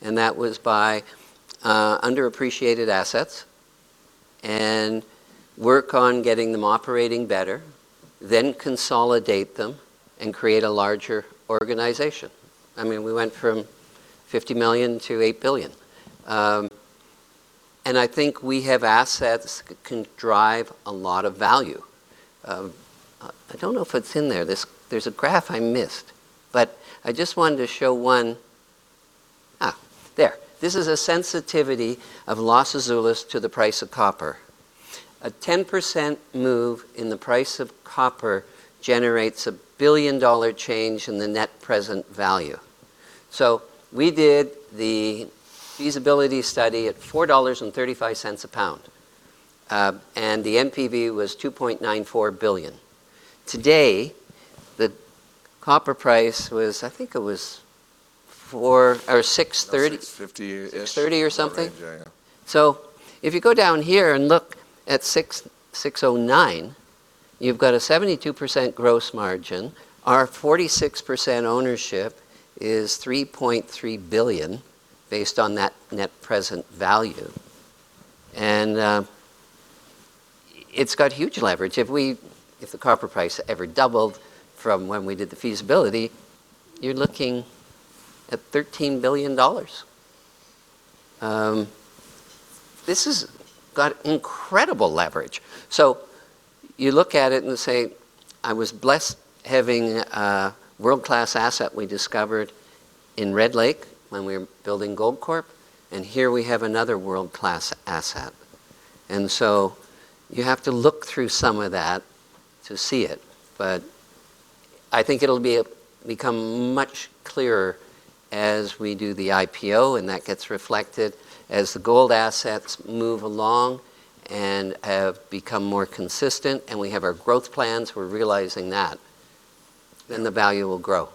and that was by underappreciated assets, and work on getting them operating better, then consolidate them and create a larger organization. We went from $50 million to $8 billion. I think we have assets that can drive a lot of value. I don't know if it's in there. There's a graph I missed, but I just wanted to show one. There. This is a sensitivity of Los Azules to the price of copper. A 10% move in the price of copper generates a billion-dollar change in the net present value. We did the feasibility study at $4.35 a pound, and the NPV was $2.94 billion. Today, the copper price was, I think it was $4 or $6.30. $6.50-ish. $6.30 or something. Range, yeah. If you go down here and look at $6.09, you've got a 72% gross margin. Our 46% ownership is $3.3 billion based on that net present value. It's got huge leverage. If the copper price ever doubled from when we did the feasibility, you're looking at $13 billion. This has got incredible leverage. You look at it and say, I was blessed having a world-class asset we discovered in Red Lake when we were building Goldcorp, and here we have another world-class asset. You have to look through some of that to see it. I think it'll become much clearer as we do the IPO and that gets reflected as the gold assets move along and have become more consistent and we have our growth plans, we're realizing that, then the value will grow.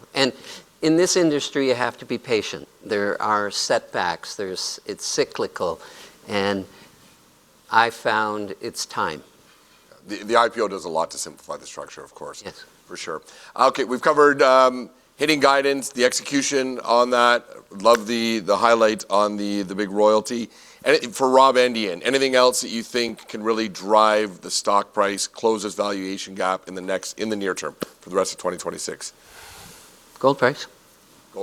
In this industry, you have to be patient. There are setbacks. It's cyclical, and I've found it's time. The IPO does a lot to simplify the structure, of course. Yes. For sure. Okay, we've covered hitting guidance, the execution on that. Love the highlight on the big royalty. For Rob and Ian, anything else that you think can really drive the stock price, close this valuation gap in the near term for the rest of 2026? Gold price.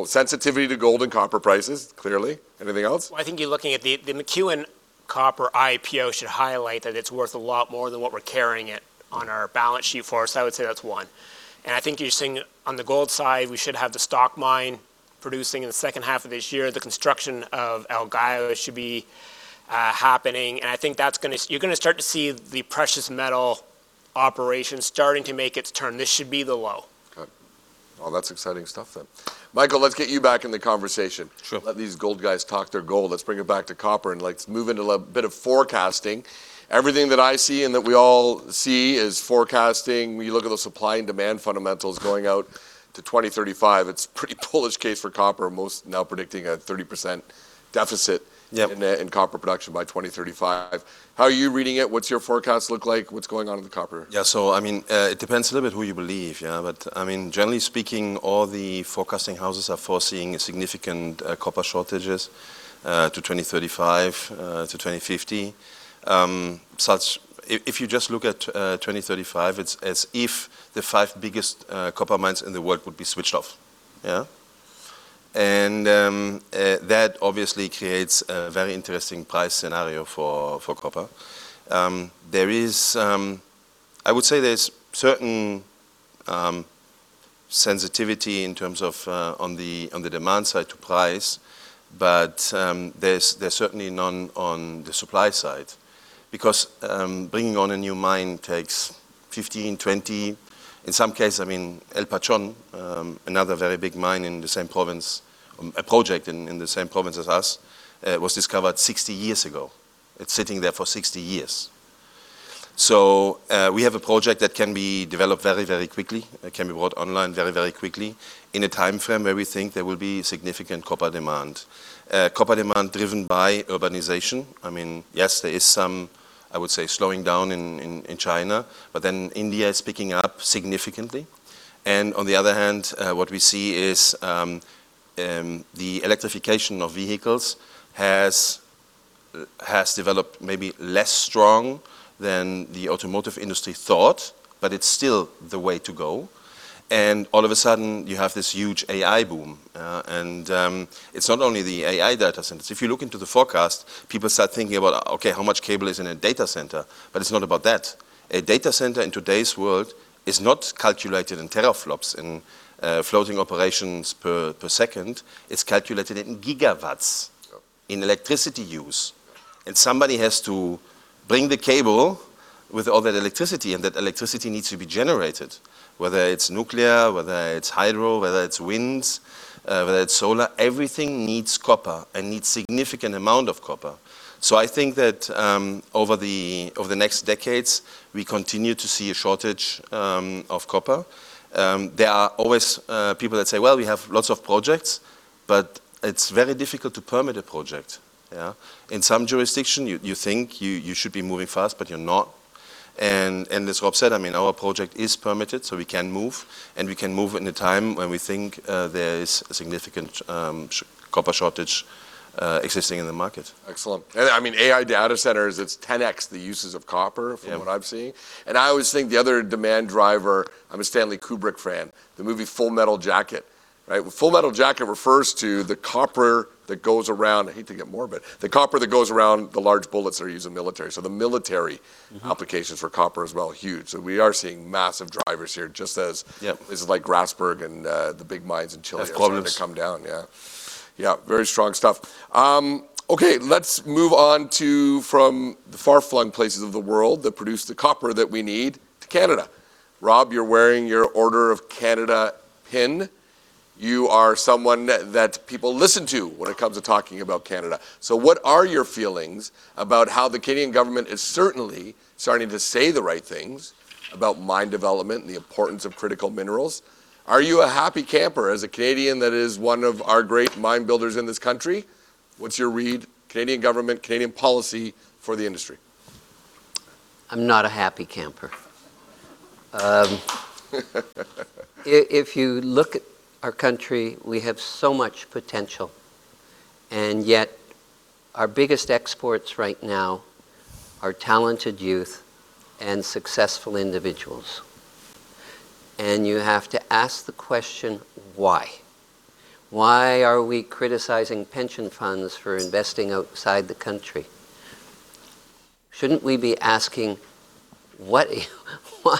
Sensitivity to gold and copper prices, clearly. Anything else? I think you're looking at the McEwen Copper IPO should highlight that it's worth a lot more than what we're carrying it on our balance sheet for. I would say that's one. I think you're seeing on the gold side, we should have the Stock Mine producing in the second half of this year. The construction of El Gallo should be happening. I think you're going to start to see the precious metal operation starting to make its turn. This should be the low. Okay. Well, that's exciting stuff then. Michael, let's get you back in the conversation. Sure. Let these gold guys talk their gold. Let's bring it back to copper and let's move into a bit of forecasting. Everything that I see and that we all see is forecasting. When you look at the supply and demand fundamentals going out to 2035, it's a pretty bullish case for copper. Most now predicting a 30% deficit Yep in copper production by 2035. How are you reading it? What's your forecast look like? What's going on with the copper? It depends a little bit who you believe. Generally speaking, all the forecasting houses are foreseeing significant copper shortages to 2035 to 2050. Such, if you just look at 2035, it's as if the five biggest copper mines in the world would be switched off. That obviously creates a very interesting price scenario for copper. I would say there's certain sensitivity in terms of on the demand side to price, but there's certainly none on the supply side because bringing on a new mine takes 15, 20, in some cases, El Pachón, another very big mine in the same province, a project in the same province as us, was discovered 60 years ago. It's sitting there for 60 years. We have a project that can be developed very, very quickly. It can be brought online very, very quickly in a timeframe where we think there will be significant copper demand. Copper demand driven by urbanization. Yes, there is some, I would say, slowing down in China, but then India is picking up significantly and, on the other hand, what we see is the electrification of vehicles has developed maybe less strong than the automotive industry thought, but it's still the way to go. All of a sudden, you have this huge AI boom. It's not only the AI data centers. If you look into the forecast, people start thinking about, okay, how much cable is in a data center? It's not about that. A data center in today's world is not calculated in teraflops, in floating operations per second. It's calculated in gigawatts. Yep in electricity use. Somebody has to bring the cable with all that electricity, and that electricity needs to be generated, whether it's nuclear, whether it's hydro, whether it's wind, whether it's solar. Everything needs copper and needs significant amount of copper. I think that over the next decades, we continue to see a shortage of copper. There are always people that say, "Well, we have lots of projects," but it's very difficult to permit a project. Yeah. In some jurisdiction, you think you should be moving fast, but you're not. As Rob said, our project is permitted, so we can move, and we can move in a time when we think there is a significant copper shortage existing in the market. Excellent. AI data centers, it's 10x the uses of copper. Yeah from what I'm seeing. I always think the other demand driver, I'm a Stanley Kubrick fan, the movie, "Full Metal Jacket." Right? "Full Metal Jacket" refers to the copper that goes around, I hate to get morbid, the copper that goes around the large bullets they use in military. applications for copper as well, huge. We are seeing massive drivers here. Yeah places like Grasberg and the big mines in Chile- Escondida are starting to come down. Yeah, very strong stuff. Let's move on from the far-flung places of the world that produce the copper that we need, to Canada. Rob, you're wearing your Order of Canada pin. You are someone that people listen to when it comes to talking about Canada. What are your feelings about how the Canadian government is certainly starting to say the right things about mine development and the importance of critical minerals? Are you a happy camper as a Canadian that is one of our great mine builders in this country? What's your read, Canadian government, Canadian policy for the industry? I'm not a happy camper. If you look at our country, we have so much potential, and yet our biggest exports right now are talented youth and successful individuals. You have to ask the question, why? Why are we criticizing pension funds for investing outside the country? Shouldn't we be asking why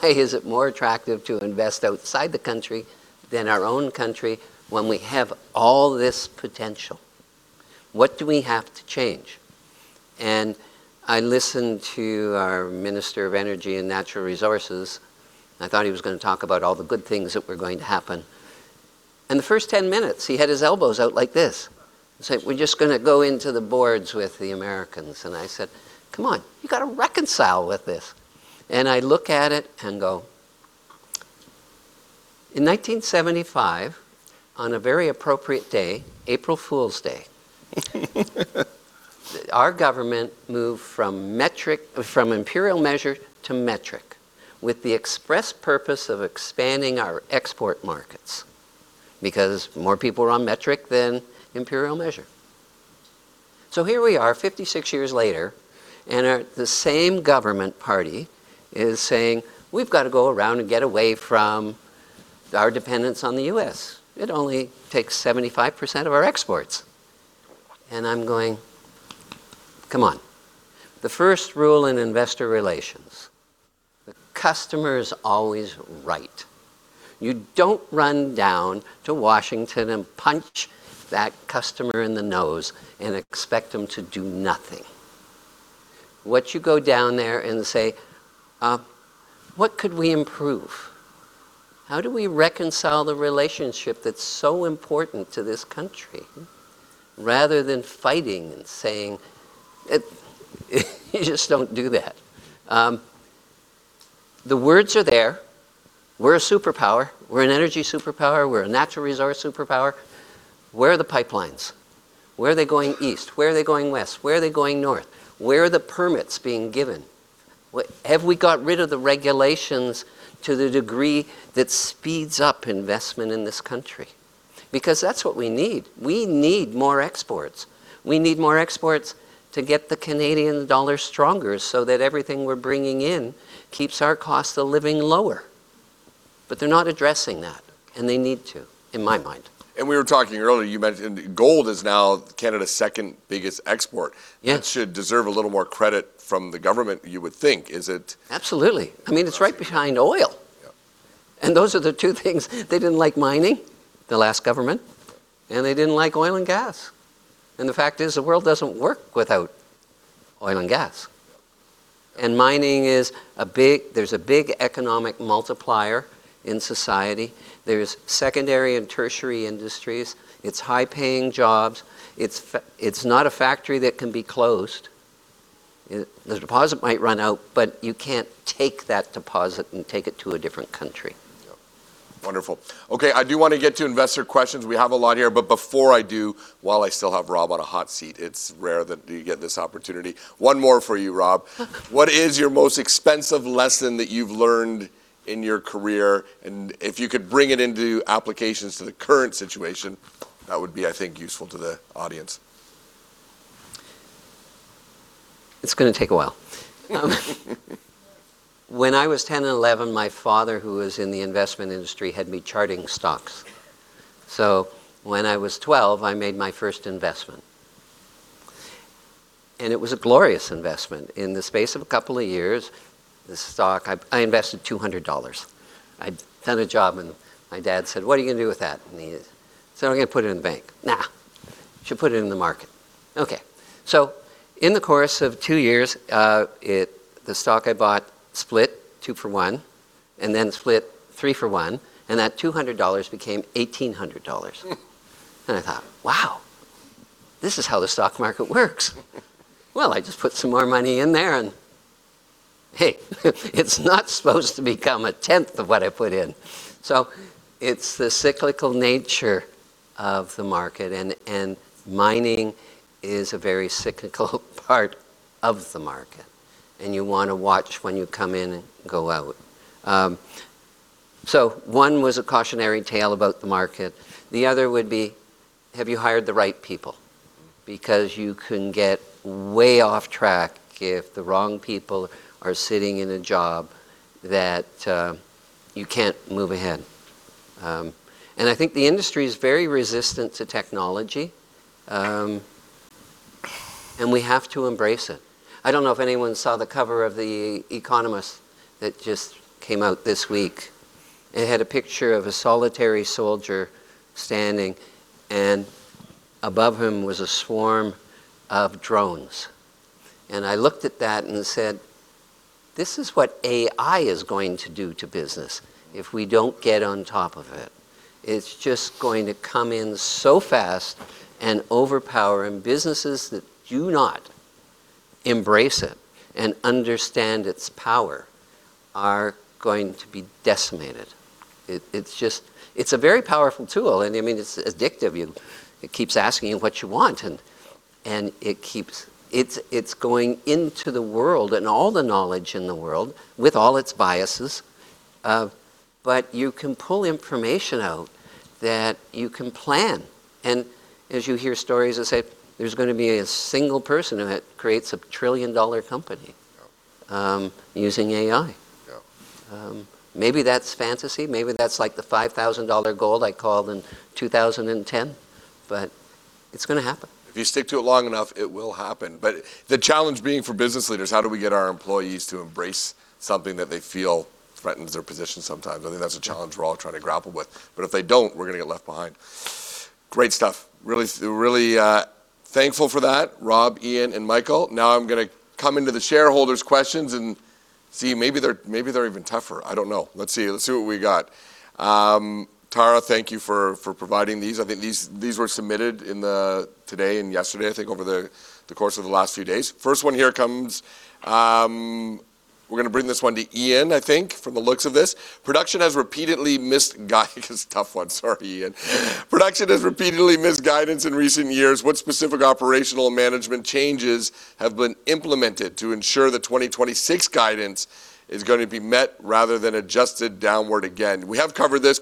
is it more attractive to invest outside the country than our own country when we have all this potential? What do we have to change? I listened to our Minister of Energy and Natural Resources, and I thought he was going to talk about all the good things that were going to happen. In the first 10 minutes, he had his elbows out like this and said, "We're just going to go into the boards with the Americans." I said, "Come on. You got to reconcile with this." I look at it and go, in 1975, on a very appropriate day, April Fools' Day, our government moved from imperial measure to metric with the express purpose of expanding our export markets because more people are on metric than imperial measure. Here we are, 56 years later, and the same government party is saying, "We've got to go around and get away from our dependence on the U.S. It only takes 75% of our exports." I'm going, "Come on." The first rule in investor relations, the customer is always right. You don't run down to Washington and punch that customer in the nose and expect them to do nothing. What you go down there and say, "What could we improve? How do we reconcile the relationship that's so important to this country?" Rather than fighting and saying, "You just don't do that." The words are there. We're a superpower. We're an energy superpower. We're a natural resource superpower. Where are the pipelines? Where are they going east? Where are they going west? Where are they going north? Where are the permits being given? Have we got rid of the regulations to the degree that speeds up investment in this country? That's what we need. We need more exports. We need more exports to get the Canadian dollar stronger so that everything we're bringing in keeps our cost of living lower. They're not addressing that, and they need to, in my mind. We were talking earlier, you mentioned gold is now Canada's second-biggest export. Yeah. That should deserve a little more credit from the government, you would think. Absolutely. It is right behind oil. Those are the two things. They did not like mining, the last government, and they did not like oil and gas. The fact is, the world does not work without oil and gas. Yep. Mining, there's a big economic multiplier in society. There's secondary and tertiary industries. It's high-paying jobs. It's not a factory that can be closed. The deposit might run out, but you can't take that deposit and take it to a different country. Yep. Wonderful. Okay, I do want to get to investor questions. We have a lot here, but before I do, while I still have Rob on a hot seat, it's rare that you get this opportunity. One more for you, Rob. What is your most expensive lesson that you've learned in your career? If you could bring it into applications to the current situation, that would be, I think, useful to the audience. It's going to take a while. When I was 10 and 11, my father, who was in the investment industry, had me charting stocks. When I was 12, I made my first investment, and it was a glorious investment. In the space of a couple of years, I invested $200. I'd done a job, and my dad said, "What are you going to do with that?" I said, "I'm going to put it in the bank." "Nah, you should put it in the market." Okay. In the course of two years, the stock I bought split two for one, and then split three for one, and that $200 became $1,800. I thought, "Wow, this is how the stock market works." Well, I just put some more money in there, and hey, it's not supposed to become a tenth of what I put in. It's the cyclical nature of the market, and mining is a very cyclical part of the market, and you want to watch when you come in and go out. The other would be, have you hired the right people? Because you can get way off track if the wrong people are sitting in a job that you can't move ahead. I think the industry is very resistant to technology, and we have to embrace it. I don't know if anyone saw the cover of The Economist that just came out this week. It had a picture of a solitary soldier standing, and above him was a swarm of drones. I looked at that and said, "This is what AI is going to do to business if we don't get on top of it." It's just going to come in so fast and overpower, and businesses that do not embrace it and understand its power are going to be decimated. It's a very powerful tool, and it's addictive. It keeps asking you what you want. Yeah. It's going into the world and all the knowledge in the world, with all its biases, but you can pull information out that you can plan. As you hear stories that say there's going to be a single person that creates a trillion-dollar company. Yeah using AI. Yeah. Maybe that's fantasy, maybe that's like the $5,000 gold I called in 2010, but it's going to happen. If you stick to it long enough, it will happen. The challenge being for business leaders, how do we get our employees to embrace something that they feel threatens their position sometimes? I think that's a challenge we're all trying to grapple with. If they don't, we're going to get left behind. Great stuff. Really thankful for that, Rob, Ian, and Michael. I'm going to come into the shareholders' questions and see. Maybe they're even tougher, I don't know. Let's see what we got. Tara, thank you for providing these. I think these were submitted today and yesterday over the course of the last few days. First one here comes. We're going to bring this one to Ian, I think, from the looks of this. This is a tough one, sorry Ian. Production has repeatedly missed guidance in recent years. What specific operational management changes have been implemented to ensure the 2026 guidance is going to be met rather than adjusted downward again? We have covered this.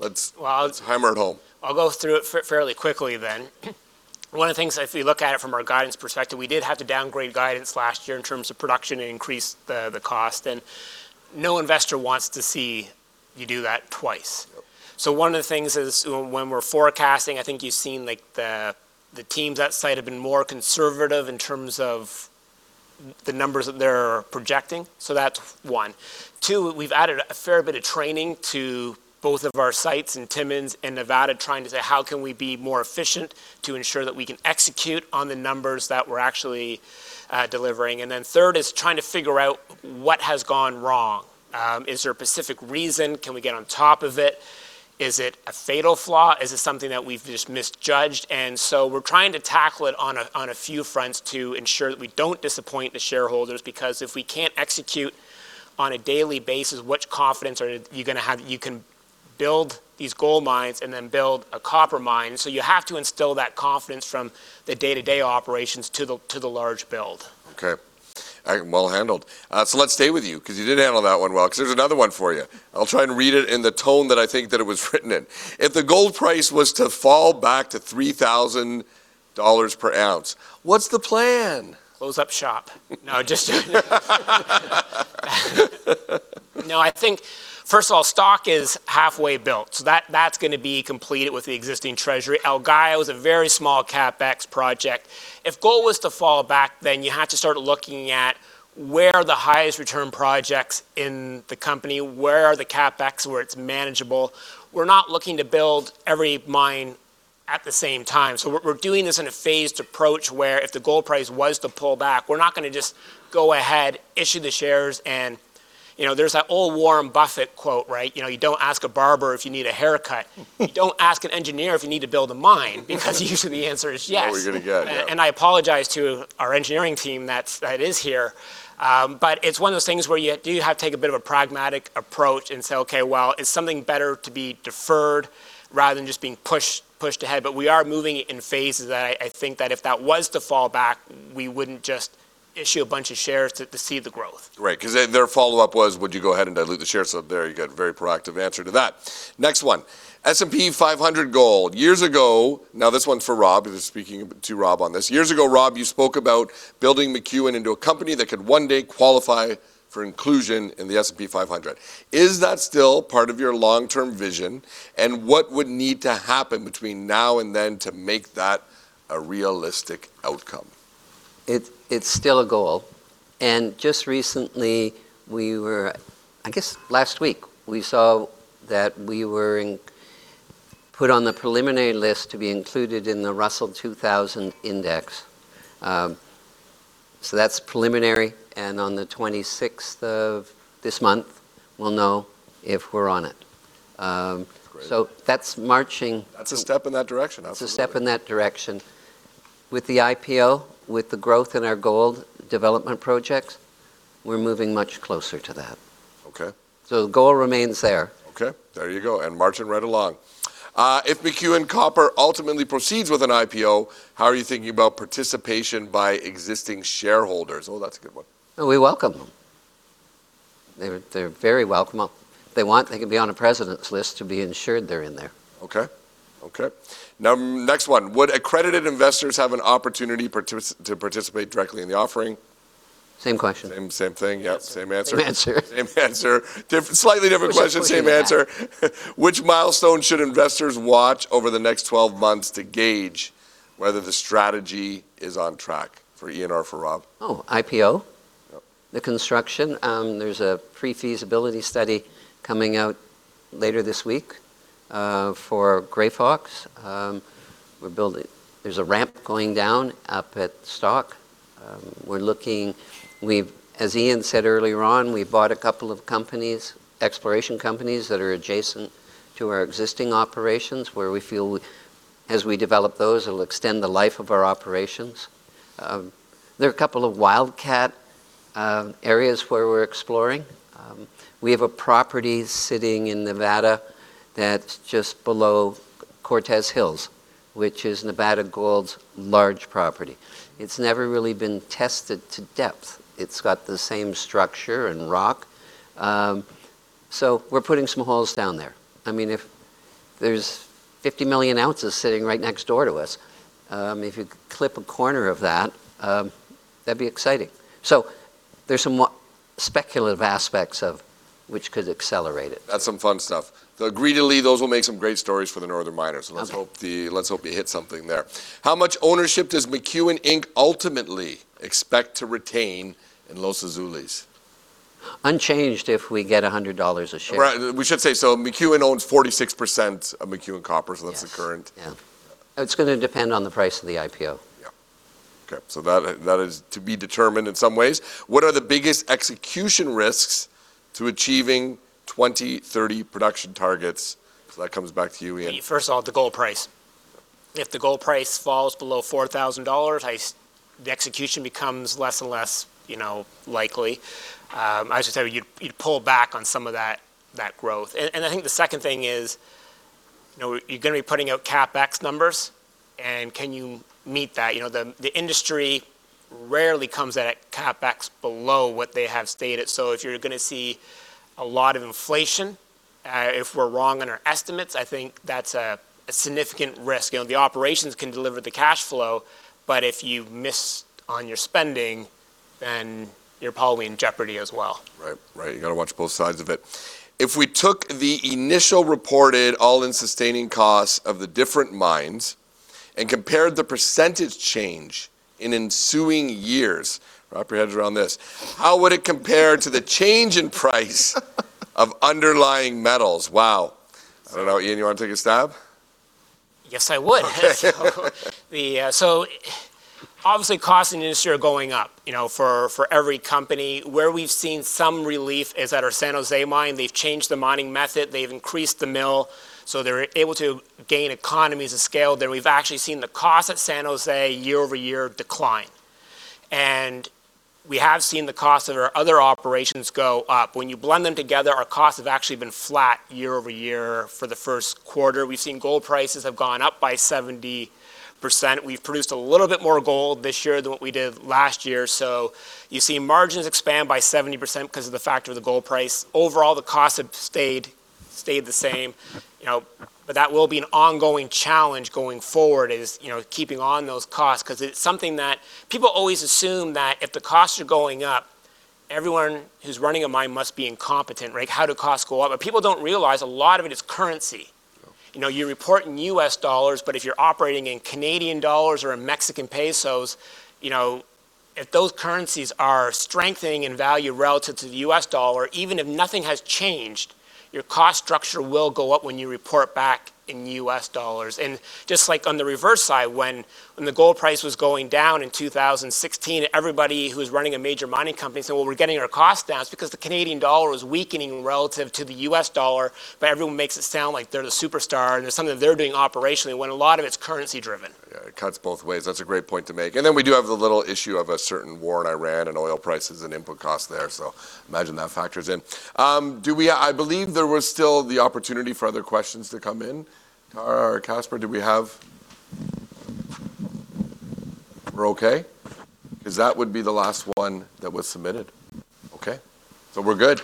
Well- hammer it home. I'll go through it fairly quickly then. One of the things, if you look at it from our guidance perspective, we did have to downgrade guidance last year in terms of production. It increased the cost, and no investor wants to see you do that twice. Yep. One of the things is when we're forecasting, I think you've seen the teams at site have been more conservative in terms of the numbers that they're projecting. That's one. Two, we've added a fair bit of training to both of our sites in Timmins and Nevada, trying to say, "How can we be more efficient to ensure that we can execute on the numbers that we're actually delivering?" Third is trying to figure out what has gone wrong. Is there a specific reason? Can we get on top of it? Is it a fatal flaw? Is it something that we've just misjudged? We're trying to tackle it on a few fronts to ensure that we don't disappoint the shareholders, because if we can't execute on a daily basis, what confidence are you going to have that you can build these gold mines and then build a copper mine? You have to instill that confidence from the day-to-day operations to the large build. Okay. Well handled. Let's stay with you, because you did handle that one well, because there's another one for you. I'll try and read it in the tone that I think that it was written in. If the gold price was to fall back to $3,000 per ounce, what's the plan? Close up shop. Just joking. I think first of all, Stock Mine is halfway built, that's going to be completed with the existing treasury. El Gallo is a very small CapEx project. If gold was to fall back, you have to start looking at where are the highest return projects in the company, where are the CapEx where it's manageable. We're not looking to build every mine at the same time. We're doing this in a phased approach where if the gold price was to pull back, we're not going to just go ahead, issue the shares, there's that old Warren Buffett quote, right? "You don't ask a barber if you need a haircut." You don't ask an engineer if you need to build a mine, because usually the answer is yes. No, you're going to get Yeah. I apologize to our engineering team that is here. It's one of those things where you do have to take a bit of a pragmatic approach and say, okay, well, is something better to be deferred rather than just being pushed ahead? We are moving in phases that I think that if that was to fall back, we wouldn't just issue a bunch of shares to achieve the growth. Right. Their follow-up was, would you go ahead and dilute the shares? There you go, very proactive answer to that. Next one. S&P 500 gold. Now, this one's for Rob, because they're speaking to Rob on this. Years ago, Rob, you spoke about building McEwen into a company that could one day qualify for inclusion in the S&P 500. Is that still part of your long-term vision? What would need to happen between now and then to make that a realistic outcome? It's still a goal. Just recently, I guess last week, we saw that we were put on the preliminary list to be included in the Russell 2000 index. That's preliminary, and on the 26th of this month, we'll know if we're on it. Great. That's marching-. That's a step in that direction, absolutely. that's a step in that direction. With the IPO, with the growth in our gold development projects, we're moving much closer to that. Okay. The goal remains there. Okay. There you go. Marching right along. If McEwen Copper ultimately proceeds with an IPO, how are you thinking about participation by existing shareholders? Oh, that's a good one. We welcome them. They're very welcome. If they want, they can be on a president's list to be ensured they're in there. Okay. Now, next one. Would accredited investors have an opportunity to participate directly in the offering? Same question. Same thing. Yeah. Same answer. Same answer. Same answer. Slightly different question. We should have pre-empted that. same answer. Which milestone should investors watch over the next 12 months to gauge whether the strategy is on track for Ian or for Rob? Oh, IPO. Yep. The construction. There's a pre-feasibility study coming out later this week, for Grey Fox. There's a ramp going down up at Stock Mine. As Ian said earlier on, we bought a couple of exploration companies that are adjacent to our existing operations, where we feel as we develop those, it'll extend the life of our operations. There are a couple of wildcat areas where we're exploring. We have a property sitting in Nevada that's just below Cortez Hills, which is Nevada Gold's large property. It's never really been tested to depth. It's got the same structure and rock. We're putting some holes down there. If there's 50 million ounces sitting right next door to us, if you clip a corner of that'd be exciting. There's some more speculative aspects of which could accelerate it. That's some fun stuff. Admittedly, those will make some great stories for the Northern Miners. Okay. Let's hope you hit something there. How much ownership does McEwen Inc ultimately expect to retain in Los Azules? Unchanged if we get $100 a share. Right. We should say, so McEwen owns 46% of McEwen Copper- Yes That's the current. Yeah. It's going to depend on the price of the IPO. Yeah. Okay. That is to be determined in some ways. What are the biggest execution risks to achieving 2030 production targets? That comes back to you, Ian. First of all, the gold price. If the gold price falls below $4,000, the execution becomes less and less likely. I should say, you'd pull back on some of that growth. I think the second thing is, you're going to be putting out CapEx numbers, and can you meet that? The industry rarely comes in at CapEx below what they have stated. If you're going to see a lot of inflation, if we're wrong on our estimates, I think that's a significant risk. The operations can deliver the cash flow, but if you miss on your spending, then you're probably in jeopardy as well. Right. You've got to watch both sides of it. If we took the initial reported all-in sustaining costs of the different mines and compared the percentage change in ensuing years, wrap your heads around this, how would it compare to the change in price of underlying metals? Wow. I don't know. Ian, you want to take a stab? Yes, I would. Okay. Obviously costs in the industry are going up for every company. Where we've seen some relief is at our San Jose mine. They've changed the mining method, they've increased the mill, they're able to gain economies of scale there. We've actually seen the cost at San Jose year-over-year decline. We have seen the cost of our other operations go up. When you blend them together, our costs have actually been flat year-over-year for the first quarter. We've seen gold prices have gone up by 70%. We've produced a little bit more gold this year than what we did last year. You see margins expand by 70% because of the factor of the gold price. Overall, the costs have stayed the same. That will be an ongoing challenge going forward is keeping on those costs, because it's something that people always assume that if the costs are going up, everyone who's running a mine must be incompetent, right? How do costs go up? People don't realize a lot of it is currency. Yeah. You report in U.S. dollars, but if you're operating in Canadian dollars or in Mexican pesos, if those currencies are strengthening in value relative to the US dollar, even if nothing has changed, your cost structure will go up when you report back in U.S. dollars. Just like on the reverse side, when the gold price was going down in 2016, everybody who was running a major mining company said, "Well, we're getting our costs down." It's because the Canadian dollar was weakening relative to the US dollar, but everyone makes it sound like they're the superstar and it's something that they're doing operationally, when a lot of it's currency driven. Yeah, it cuts both ways. That's a great point to make. We do have the little issue of a certain war in Iran and oil prices and input costs there. Imagine that factor is in. I believe there was still the opportunity for other questions to come in. Tara or Casper, we're okay? That would be the last one that was submitted. Okay. We're good.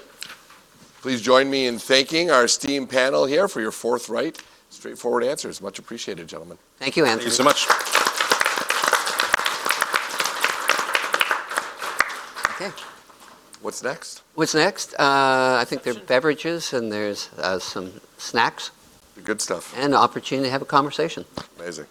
Please join me in thanking our esteemed panel here for your forthright, straightforward answers. Much appreciated, gentlemen. Thank you, Anthony. Thank you so much. Okay. What's next? What's next? I think there are beverages and there's some snacks. The good stuff. The opportunity to have a conversation. Amazing